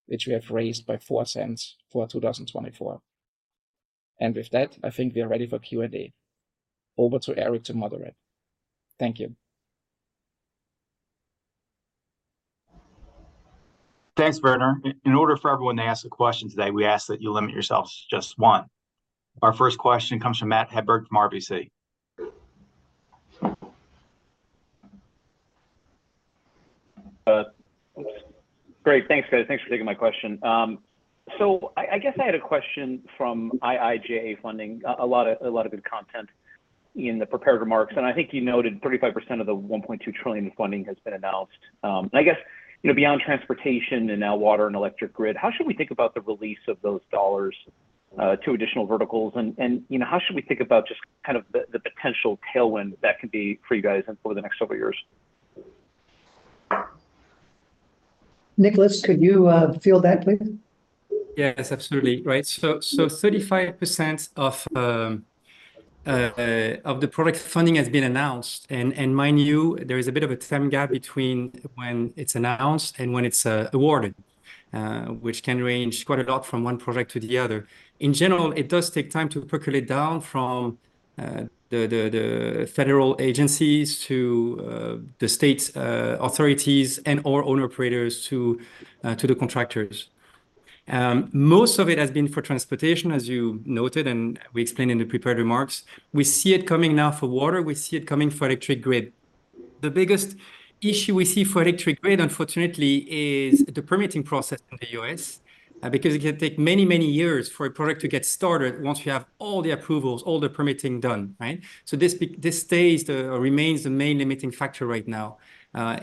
which we have raised by $0.0004 for 2024. With that, I think we are ready for Q&A. Over to Eric to moderate. Thank you. Thanks, Werner. In order for everyone to ask a question today, we ask that you limit yourselves to just one. Our first question comes from Matt Hedberg from RBC. Great. Thanks, Greg. Thanks for taking my question. So I guess I had a question from IIJA funding, a lot of good content in the prepared remarks. And I think you noted 35% of the $1.2 trillion funding has been announced. And I guess beyond transportation and now water and electric grid, how should we think about the release of those dollars to additional verticals? And how should we think about just kind of the potential tailwind that can be for you guys over the next several years? Nicholas, could you field that, please? Yes, absolutely. Right. So 35% of the project funding has been announced. And mind you, there is a bit of a time gap between when it's announced and when it's awarded, which can range quite a lot from one project to the other. In general, it does take time to percolate down from the federal agencies to the state authorities and/or owner-operators to the contractors. Most of it has been for transportation, as you noted, and we explained in the prepared remarks. We see it coming now for water. We see it coming for electric grid. The biggest issue we see for electric grid, unfortunately, is the permitting process in the U.S. because it can take many, many years for a project to get started once we have all the approvals, all the permitting done. Right? This stays or remains the main limiting factor right now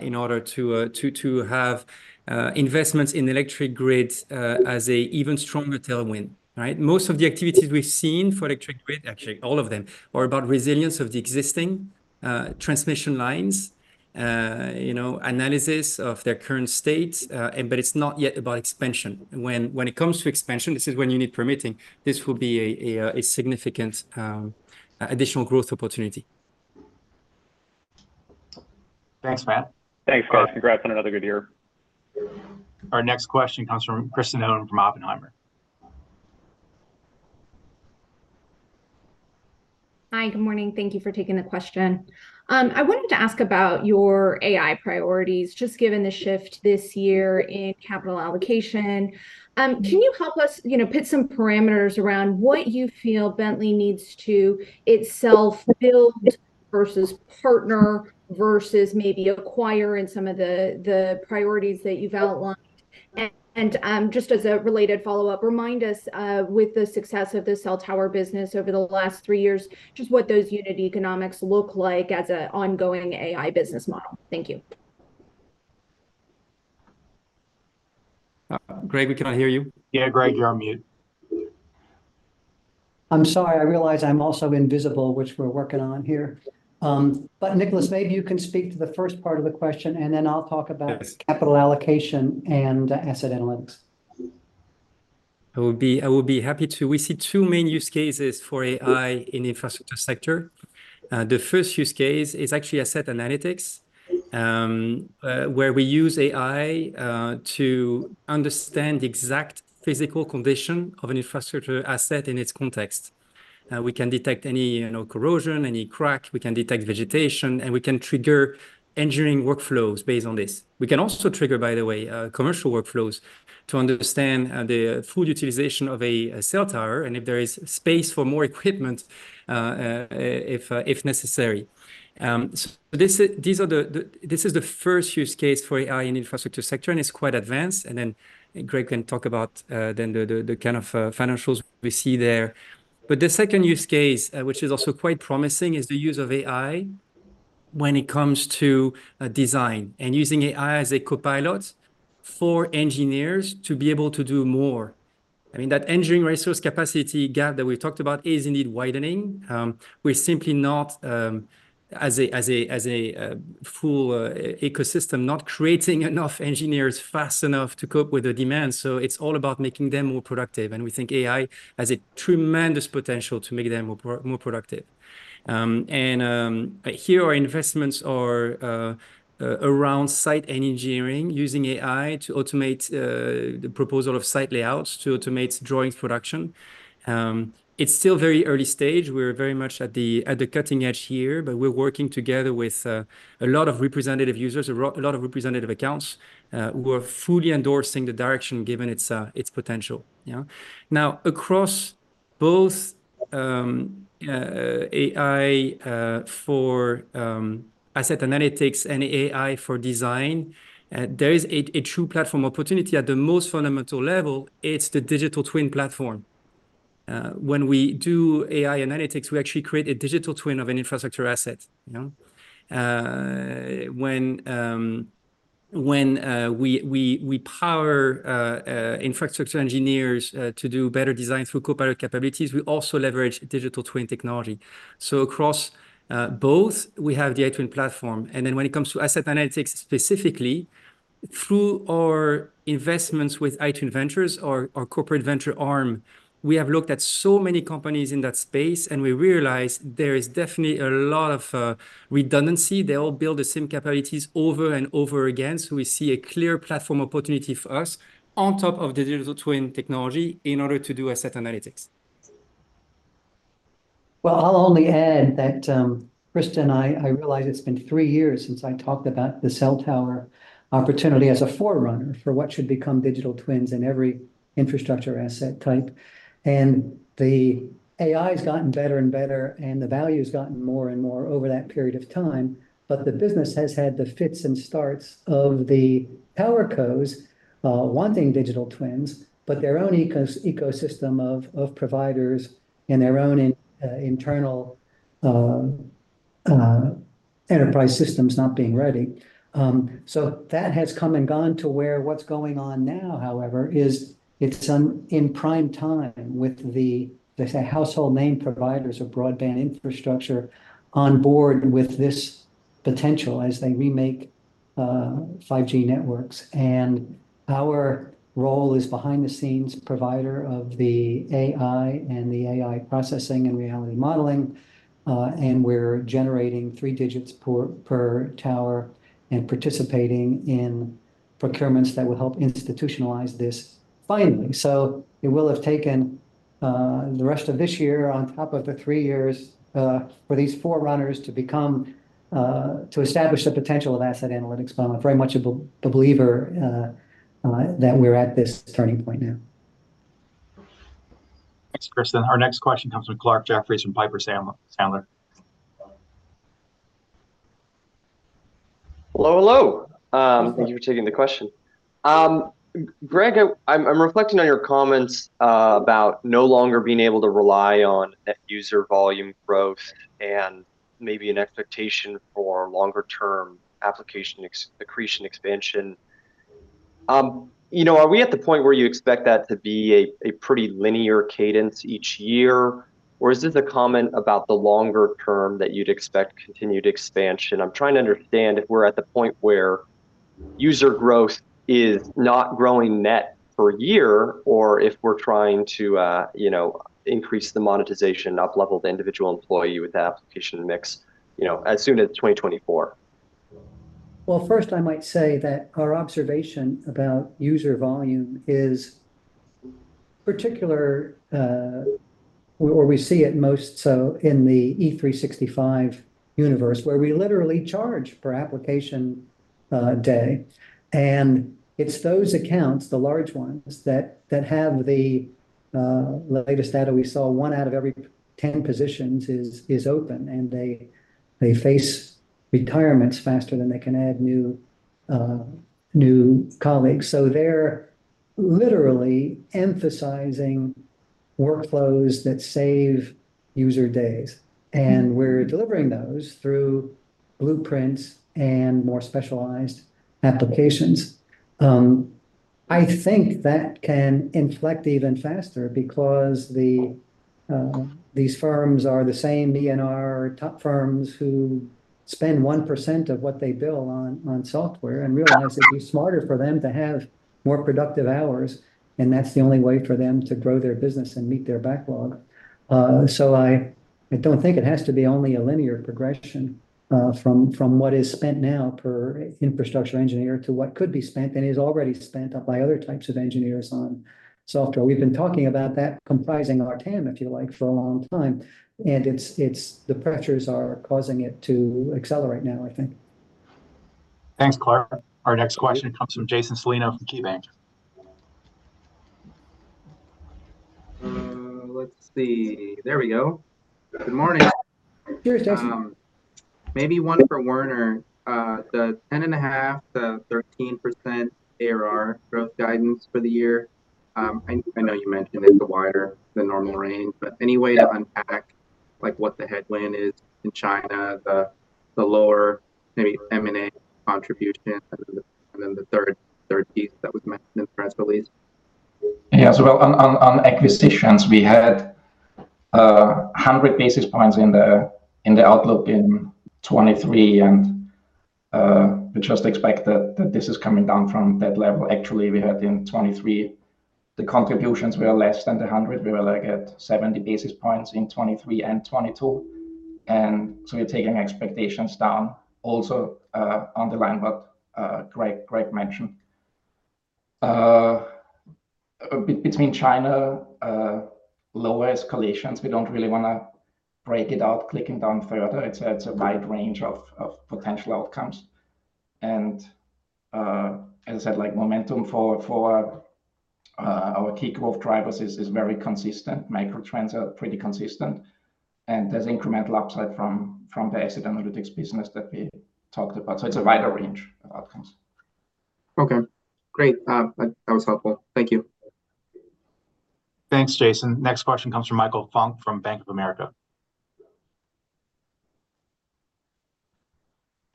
in order to have investments in electric grid as an even stronger tailwind. Right? Most of the activities we've seen for electric grid, actually, all of them, are about resilience of the existing transmission lines, analysis of their current state, but it's not yet about expansion. When it comes to expansion, this is when you need permitting. This will be a significant additional growth opportunity. Thanks, Matt. Thanks, Chris. Congrats on another good year. Our next question comes from Kristen Owen from Oppenheimer. Hi. Good morning. Thank you for taking the question. I wanted to ask about your AI priorities just given the shift this year in capital allocation. Can you help us put some parameters around what you feel Bentley needs to itself build versus partner versus maybe acquire in some of the priorities that you've outlined? And just as a related follow-up, remind us with the success of the cell tower business over the last three years, just what those unit economics look like as an ongoing AI business model. Thank you. Greg, we cannot hear you. Yeah, Greg, you're on mute. I'm sorry. I realize I'm also invisible, which we're working on here. But Nicholas, maybe you can speak to the first part of the question, and then I'll talk about capital allocation and asset analytics. I will be happy to. We see two main use cases for AI in the infrastructure sector. The first use case is actually asset analytics, where we use AI to understand the exact physical condition of an infrastructure asset in its context. We can detect any corrosion, any crack. We can detect vegetation, and we can trigger engineering workflows based on this. We can also trigger, by the way, commercial workflows to understand the full utilization of a cell tower and if there is space for more equipment if necessary. So this is the first use case for AI in the infrastructure sector, and it's quite advanced. And then Greg can talk about then the kind of financials we see there. But the second use case, which is also quite promising, is the use of AI when it comes to design and using AI as a co-pilot for engineers to be able to do more. I mean, that engineering resource capacity gap that we've talked about is indeed widening. We're simply not, as a full ecosystem, not creating enough engineers fast enough to cope with the demand. So it's all about making them more productive. And we think AI has a tremendous potential to make them more productive. And here, our investments are around site engineering using AI to automate the proposal of site layouts, to automate drawings production. It's still very early stage. We're very much at the cutting edge here, but we're working together with a lot of representative users, a lot of representative accounts who are fully endorsing the direction given its potential. Now, across both AI for asset analytics and AI for design, there is a true platform opportunity. At the most fundamental level, it's the digital twin platform. When we do AI analytics, we actually create a digital twin of an infrastructure asset. When we power infrastructure engineers to do better design through co-pilot capabilities, we also leverage digital twin technology. So across both, we have the iTwin Platform. And then when it comes to asset analytics specifically, through our investments with iTwin Ventures or corporate venture arm, we have looked at so many companies in that space, and we realize there is definitely a lot of redundancy. They all build the same capabilities over and over again. So we see a clear platform opportunity for us on top of the digital twin technology in order to do asset analytics. Well, I'll only add that, Kristen, I realize it's been three years since I talked about the cell tower opportunity as a forerunner for what should become digital twins in every infrastructure asset type. And the AI has gotten better and better, and the value has gotten more and more over that period of time. But the business has had the fits and starts of the power cos wanting digital twins, but their own ecosystem of providers and their own internal enterprise systems not being ready. So that has come and gone to where what's going on now, however, is it's in prime time with the household name providers of broadband infrastructure on board with this potential as they remake 5G networks. And our role is behind-the-scenes provider of the AI and the AI processing and reality modeling. We're generating three digits per tower and participating in procurements that will help institutionalize this finally. It will have taken the rest of this year on top of the three years for these forerunners to establish the potential of asset analytics. I'm very much a believer that we're at this turning point now. Thanks, Kristen. Our next question comes from Clarke Jeffries from Piper Sandler. Hello, hello. Thank you for taking the question. Greg, I'm reflecting on your comments about no longer being able to rely on net user volume growth and maybe an expectation for longer-term application accretion expansion. Are we at the point where you expect that to be a pretty linear cadence each year, or is this a comment about the longer term that you'd expect continued expansion? I'm trying to understand if we're at the point where user growth is not growing net per year or if we're trying to increase the monetization and uplevel the individual employee with the application mix as soon as 2024. Well, first, I might say that our observation about user volume is particular, or we see it most so in the E365 universe, where we literally charge per application day. It's those accounts, the large ones, that have the latest data we saw. One out of every 10 positions is open, and they face retirements faster than they can add new colleagues. They're literally emphasizing workflows that save user days. And we're delivering those through blueprints and more specialized applications. I think that can inflect even faster because these firms are the same ENR top firms who spend 1% of what they bill on software and realize it'd be smarter for them to have more productive hours. And that's the only way for them to grow their business and meet their backlog. I don't think it has to be only a linear progression from what is spent now per infrastructure engineer to what could be spent and is already spent up by other types of engineers on software. We've been talking about that. Comprising our team, if you like, for a long time. The pressures are causing it to accelerate now, I think. Thanks, Clark. Our next question comes from Jason Celino from KeyBanc. Let's see. There we go. Good morning. Cheers, Jason. Maybe one for Werner. The 10.5%-13% ARR growth guidance for the year. I know you mentioned it's a wider than normal range, but any way to unpack what the headwind is in China, the lower maybe M&A contribution, and then the third piece that was mentioned in the press release? Yeah. So on acquisitions, we had 100 basis points in the outlook in 2023, and we just expected that this is coming down from that level. Actually, we had in 2023, the contributions were less than the 100. We were at 70 basis points in 2023 and 2022. And so we're taking expectations down also underline what Greg mentioned. Between China, lower escalations. We don't really want to break it out, ticking down further. It's a wide range of potential outcomes. And as I said, momentum for our key growth drivers is very consistent. Microtrends are pretty consistent. And there's incremental upside from the asset analytics business that we talked about. So it's a wider range of outcomes. Okay. Great. That was helpful. Thank you. Thanks, Jason. Next question comes from Michael Funk from Bank of America.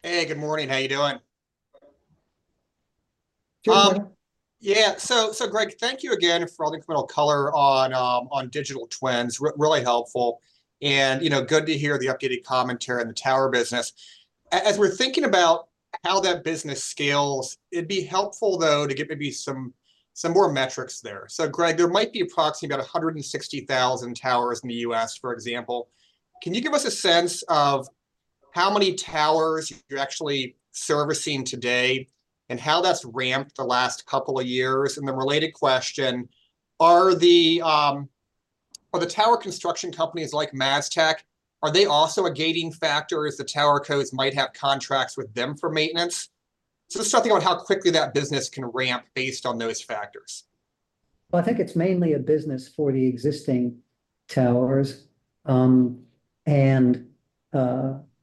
Hey, good morning. How you doing? Yeah. So Greg, thank you again for all the incremental color on digital twins. Really helpful. And good to hear the updated commentary on the tower business. As we're thinking about how that business scales, it'd be helpful, though, to get maybe some more metrics there. So Greg, there might be approximately about 160,000 towers in the U.S., for example. Can you give us a sense of how many towers you're actually servicing today and how that's ramped the last couple of years? And the related question, are the tower construction companies like MasTec, are they also a gating factor as thetower cos might have contracts with them for maintenance? So just talking about how quickly that business can ramp based on those factors. Well, I think it's mainly a business for the existing towers.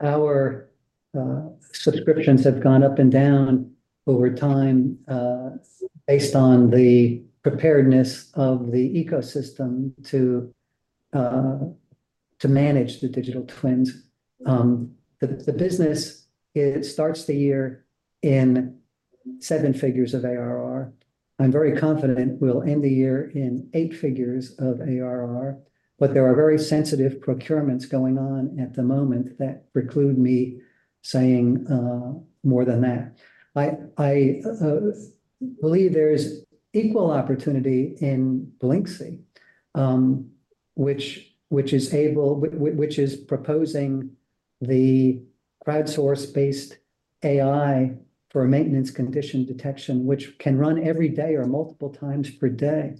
Our subscriptions have gone up and down over time based on the preparedness of the ecosystem to manage the digital twins. The business starts the year in seven figures of ARR. I'm very confident we'll end the year in eight figures of ARR. But there are very sensitive procurements going on at the moment that preclude me saying more than that. I believe there's equal opportunity in Blyncsy, which is proposing the crowd-sourced-based AI for maintenance condition detection, which can run every day or multiple times per day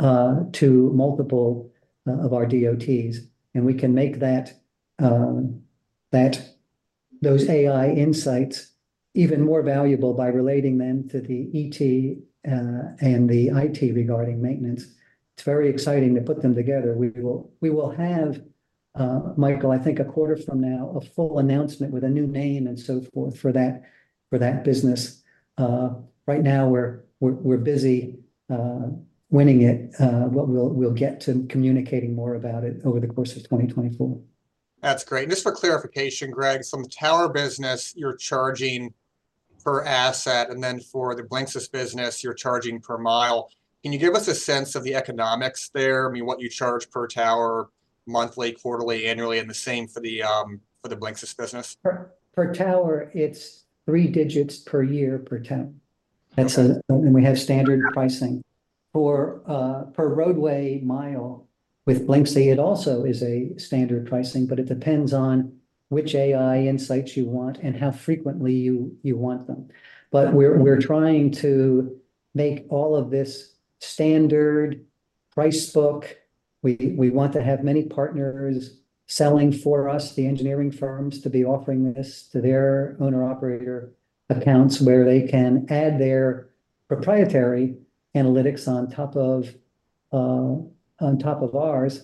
to multiple of our DOTs. And we can make those AI insights even more valuable by relating them to the ET and the IT regarding maintenance. It's very exciting to put them together. We will have, Michael, I think a quarter from now, a full announcement with a new name and so forth for that business. Right now, we're busy winning it, but we'll get to communicating more about it over the course of 2024. That's great. And just for clarification, Greg, so in the tower business, you're charging per asset, and then for the Blyncsy business, you're charging per mile. Can you give us a sense of the economics there? I mean, what you charge per tower monthly, quarterly, annually, and the same for the Blyncsy business? Per tower, it's three digits per year per tower. We have standard pricing. For roadway mile with Blyncsy, it also is a standard pricing, but it depends on which AI insights you want and how frequently you want them. We're trying to make all of this standard price book. We want to have many partners selling for us, the engineering firms, to be offering this to their owner-operator accounts where they can add their proprietary analytics on top of ours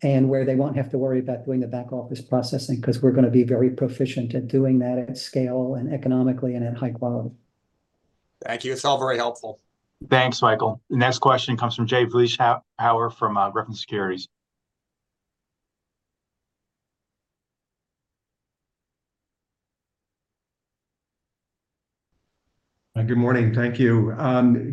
and where they won't have to worry about doing the back-office processing because we're going to be very proficient at doing that at scale and economically and at high quality. Thank you. It's all very helpful. Thanks, Michael. The next question comes from Jay Vleeschhouwer from Griffin Securities. Good morning. Thank you.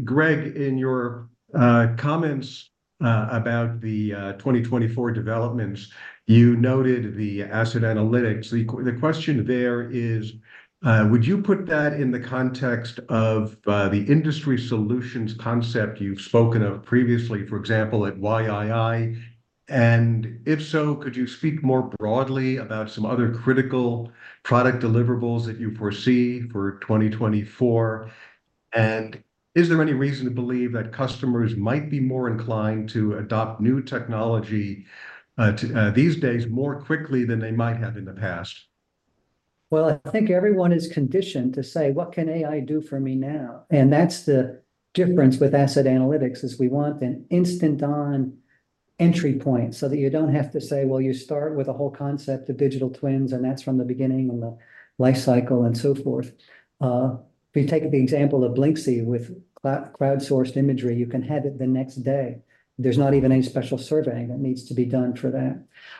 Greg, in your comments about the 2024 developments, you noted the asset analytics. The question there is, would you put that in the context of the industry solutions concept you've spoken of previously, for example, at YII? And if so, could you speak more broadly about some other critical product deliverables that you foresee for 2024? And is there any reason to believe that customers might be more inclined to adopt new technology these days more quickly than they might have in the past? Well, I think everyone is conditioned to say, "What can AI do for me now?" And that's the difference with asset analytics, is we want an instant-on entry point so that you don't have to say, "Well, you start with a whole concept of digital twins, and that's from the beginning and the life cycle and so forth." If you take the example of Blyncsy with crowdsourced imagery, you can have it the next day. There's not even any special surveying that needs to be done for that.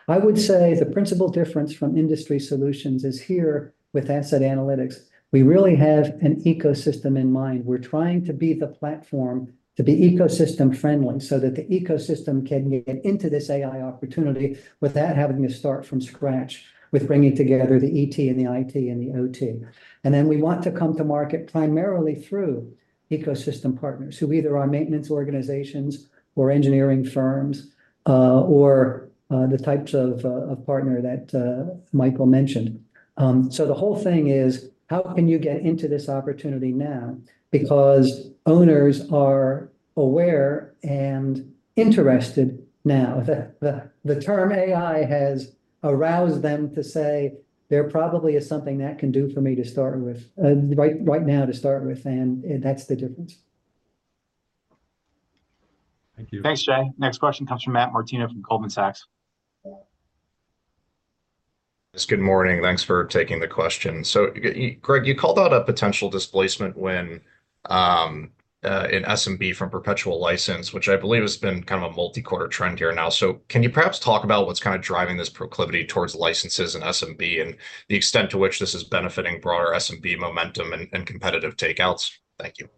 I would say the principal difference from industry solutions is here with asset analytics. We really have an ecosystem in mind. We're trying to be the platform to be ecosystem-friendly so that the ecosystem can get into this AI opportunity without having to start from scratch with bringing together the ET and the IT and the OT. Then we want to come to market primarily through ecosystem partners who either are maintenance organizations or engineering firms or the types of partner that Michael mentioned. So the whole thing is, how can you get into this opportunity now? Because owners are aware and interested now. The term AI has aroused them to say, "There probably is something that can do for me to start with right now to start with." And that's the difference. Thank you. Thanks, Jay. Next question comes from Matt Martino from Goldman Sachs. Good morning. Thanks for taking the question. So Greg, you called out a potential displacement in SMB from perpetual license, which I believe has been kind of a multi-quarter trend here now. So can you perhaps talk about what's kind of driving this proclivity towards licenses and SMB and the extent to which this is benefiting broader SMB momentum and competitive takeouts? Thank you.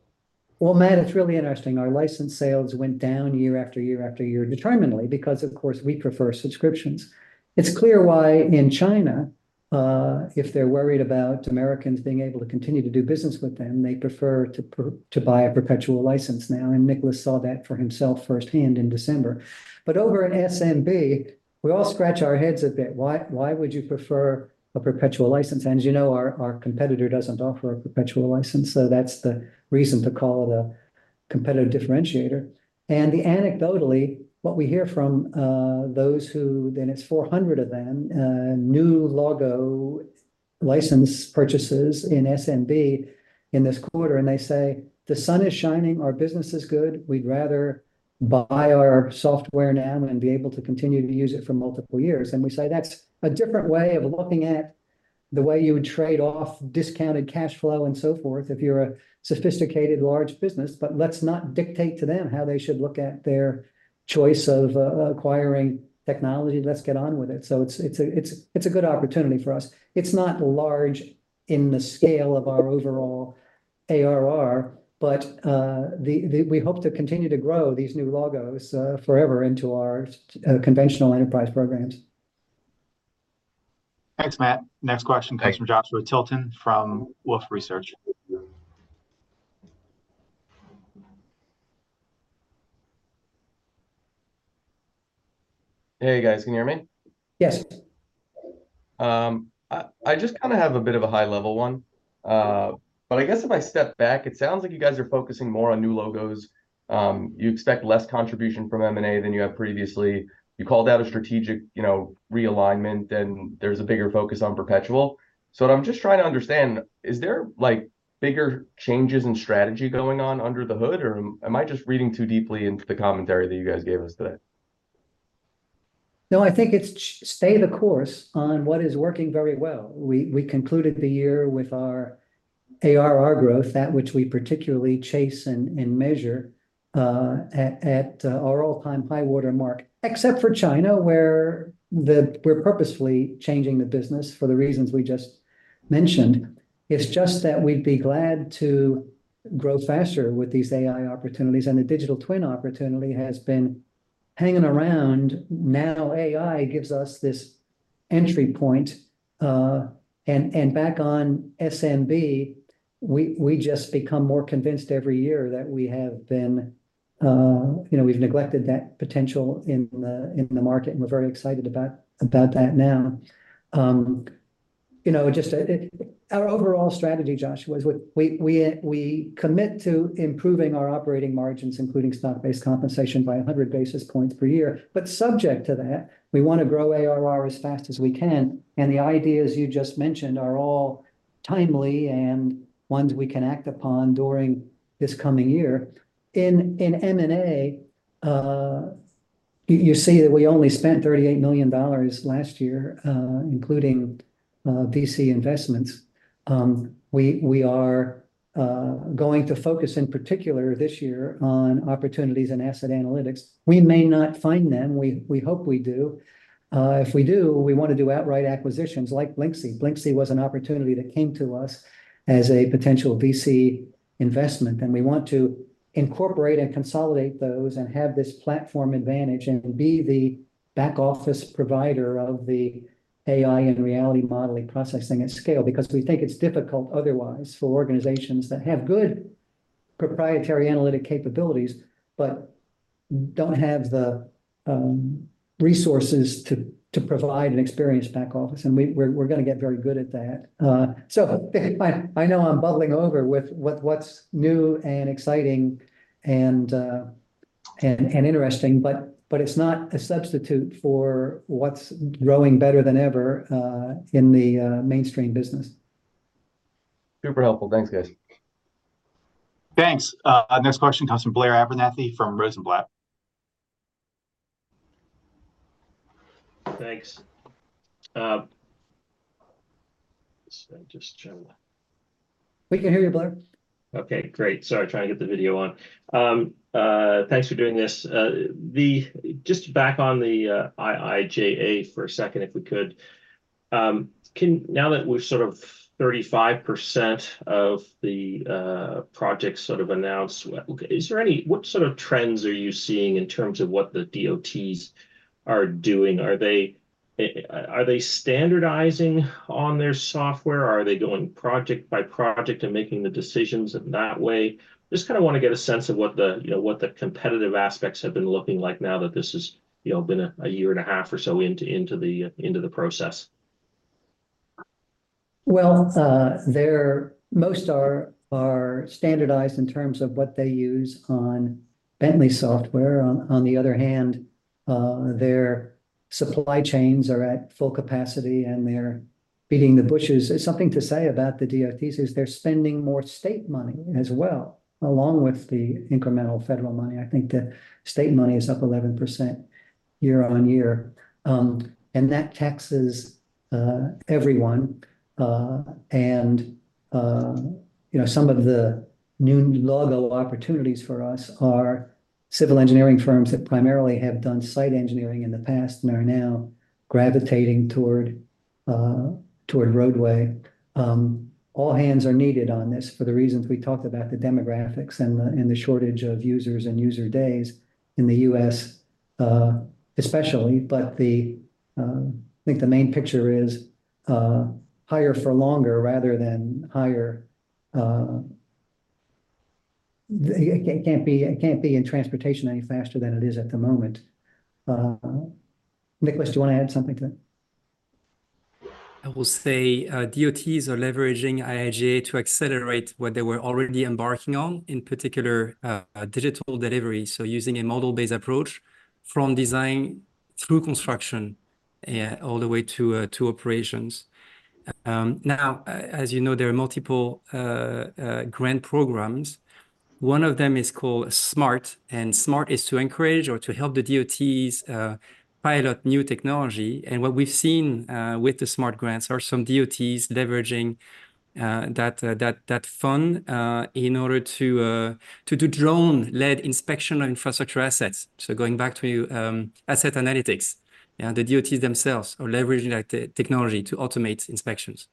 Well, Matt, it's really interesting. Our license sales went down year after year after year determinedly because, of course, we prefer subscriptions. It's clear why in China, if they're worried about Americans being able to continue to do business with them, they prefer to buy a perpetual license now. And Nicholas saw that for himself firsthand in December. But over in SMB, we all scratch our heads a bit. Why would you prefer a perpetual license? And as you know, our competitor doesn't offer a perpetual license. So that's the reason to call it a competitive differentiator. And anecdotally, what we hear from those who then it's 400 of them, new logo license purchases in SMB in this quarter. And they say, "The sun is shining. Our business is good. We'd rather buy our software now and be able to continue to use it for multiple years." And we say that's a different way of looking at the way you would trade off discounted cash flow and so forth if you're a sophisticated, large business. But let's not dictate to them how they should look at their choice of acquiring technology. Let's get on with it. So it's a good opportunity for us. It's not large in the scale of our overall ARR, but we hope to continue to grow these new logos forever into our conventional enterprise programs. Thanks, Matt. Next question comes from Joshua Tilton from Wolfe Research. Hey, guys. Can you hear me? Yes. I just kind of have a bit of a high-level one. But I guess if I step back, it sounds like you guys are focusing more on new logos. You expect less contribution from M&A than you have previously. You called out a strategic realignment, and there's a bigger focus on perpetual. So what I'm just trying to understand, is there bigger changes in strategy going on under the hood, or am I just reading too deeply into the commentary that you guys gave us today? No, I think it's stay the course on what is working very well. We concluded the year with our ARR growth, that which we particularly chase and measure, at our all-time high watermark, except for China, where we're purposefully changing the business for the reasons we just mentioned. It's just that we'd be glad to grow faster with these AI opportunities. And the digital twin opportunity has been hanging around. Now, AI gives us this entry point. And back on SMB, we just become more convinced every year that we've neglected that potential in the market, and we're very excited about that now. Our overall strategy, Josh, was we commit to improving our operating margins, including stock-based compensation, by 100 basis points per year. But subject to that, we want to grow ARR as fast as we can. The ideas you just mentioned are all timely and ones we can act upon during this coming year. In M&A, you see that we only spent $38 million last year, including VC investments. We are going to focus in particular this year on opportunities in asset analytics. We may not find them. We hope we do. If we do, we want to do outright acquisitions like Blyncsy. Blyncsy was an opportunity that came to us as a potential VC investment. And we want to incorporate and consolidate those and have this platform advantage and be the back-office provider of the AI and reality modeling processing at scale because we think it's difficult otherwise for organizations that have good proprietary analytic capabilities but don't have the resources to provide an experienced back office. We're going to get very good at that. I know I'm bubbling over with what's new and exciting and interesting, but it's not a substitute for what's growing better than ever in the mainstream business. Super helpful. Thanks, guys. Thanks. Next question comes from Blair Abernethy from Rosenblatt. Thanks. Let's see. I'm just trying to. We can hear you, Blair. Okay. Great. Sorry, trying to get the video on. Thanks for doing this. Just back on the IIJA for a second, if we could. Now that we're sort of 35% of the projects sort of announced, is there any, what sort of trends are you seeing in terms of what the DOTs are doing? Are they standardizing on their software? Are they going project by project and making the decisions in that way? Just kind of want to get a sense of what the competitive aspects have been looking like now that this has been a year and a half or so into the process. Well, most are standardized in terms of what they use on Bentley software. On the other hand, their supply chains are at full capacity, and they're beating the bushes. Something to say about the DOTs is they're spending more state money as well, along with the incremental federal money. I think the state money is up 11% year-over-year. And that taxes everyone. And some of the new logo opportunities for us are civil engineering firms that primarily have done site engineering in the past and are now gravitating toward roadway. All hands are needed on this for the reasons we talked about, the demographics and the shortage of users and user days in the U.S., especially. But I think the main picture is higher for longer rather than higher, it can't be in transportation any faster than it is at the moment. Nicholas, do you want to add something to that? I will say DOTs are leveraging IIJA to accelerate what they were already embarking on, in particular digital delivery. So using a model-based approach from design through construction all the way to operations. Now, as you know, there are multiple grant programs. One of them is called SMART. SMART is to encourage or to help the DOTs pilot new technology. What we've seen with the SMART grants are some DOTs leveraging that fund in order to do drone-led inspection of infrastructure assets. So going back to asset analytics, the DOTs themselves are leveraging that technology to automate inspections.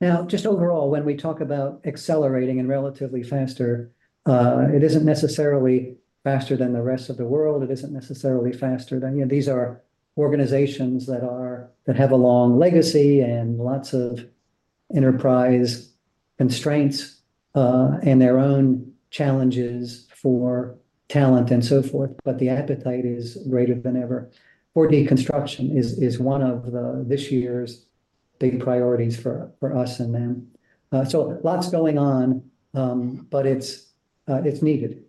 Now, just overall, when we talk about accelerating and relatively faster, it isn't necessarily faster than the rest of the world. It isn't necessarily faster than these are organizations that have a long legacy and lots of enterprise constraints and their own challenges for talent and so forth. But the appetite is greater than ever. 4D Construction is one of this year's big priorities for us and them. So lots going on, but it's needed.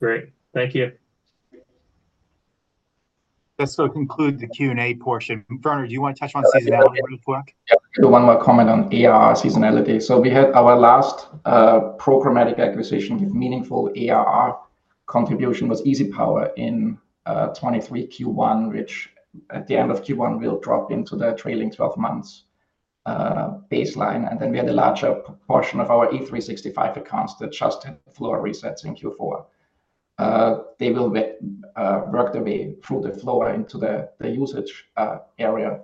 Great. Thank you. That's going to conclude the Q&A portion. Werner, do you want to touch on seasonality real quick? Just do one more comment on ARR seasonality. So we had our last programmatic acquisition with meaningful ARR contribution was EasyPower in 2023 Q1, which at the end of Q1 will drop into the trailing 12 months baseline. And then we had a larger portion of our E365 accounts that just had floor resets in Q4. They will work their way through the floor into the usage area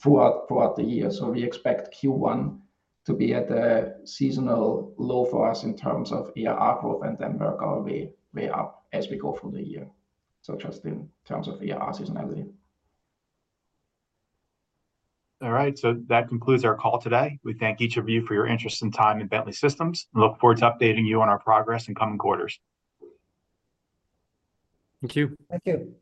throughout the year. So we expect Q1 to be at a seasonal low for us in terms of ARR growth and then work our way up as we go through the year. So just in terms of ARR seasonality. All right. That concludes our call today. We thank each of you for your interest and time in Bentley Systems and look forward to updating you on our progress in coming quarters. Thank you. Thank you.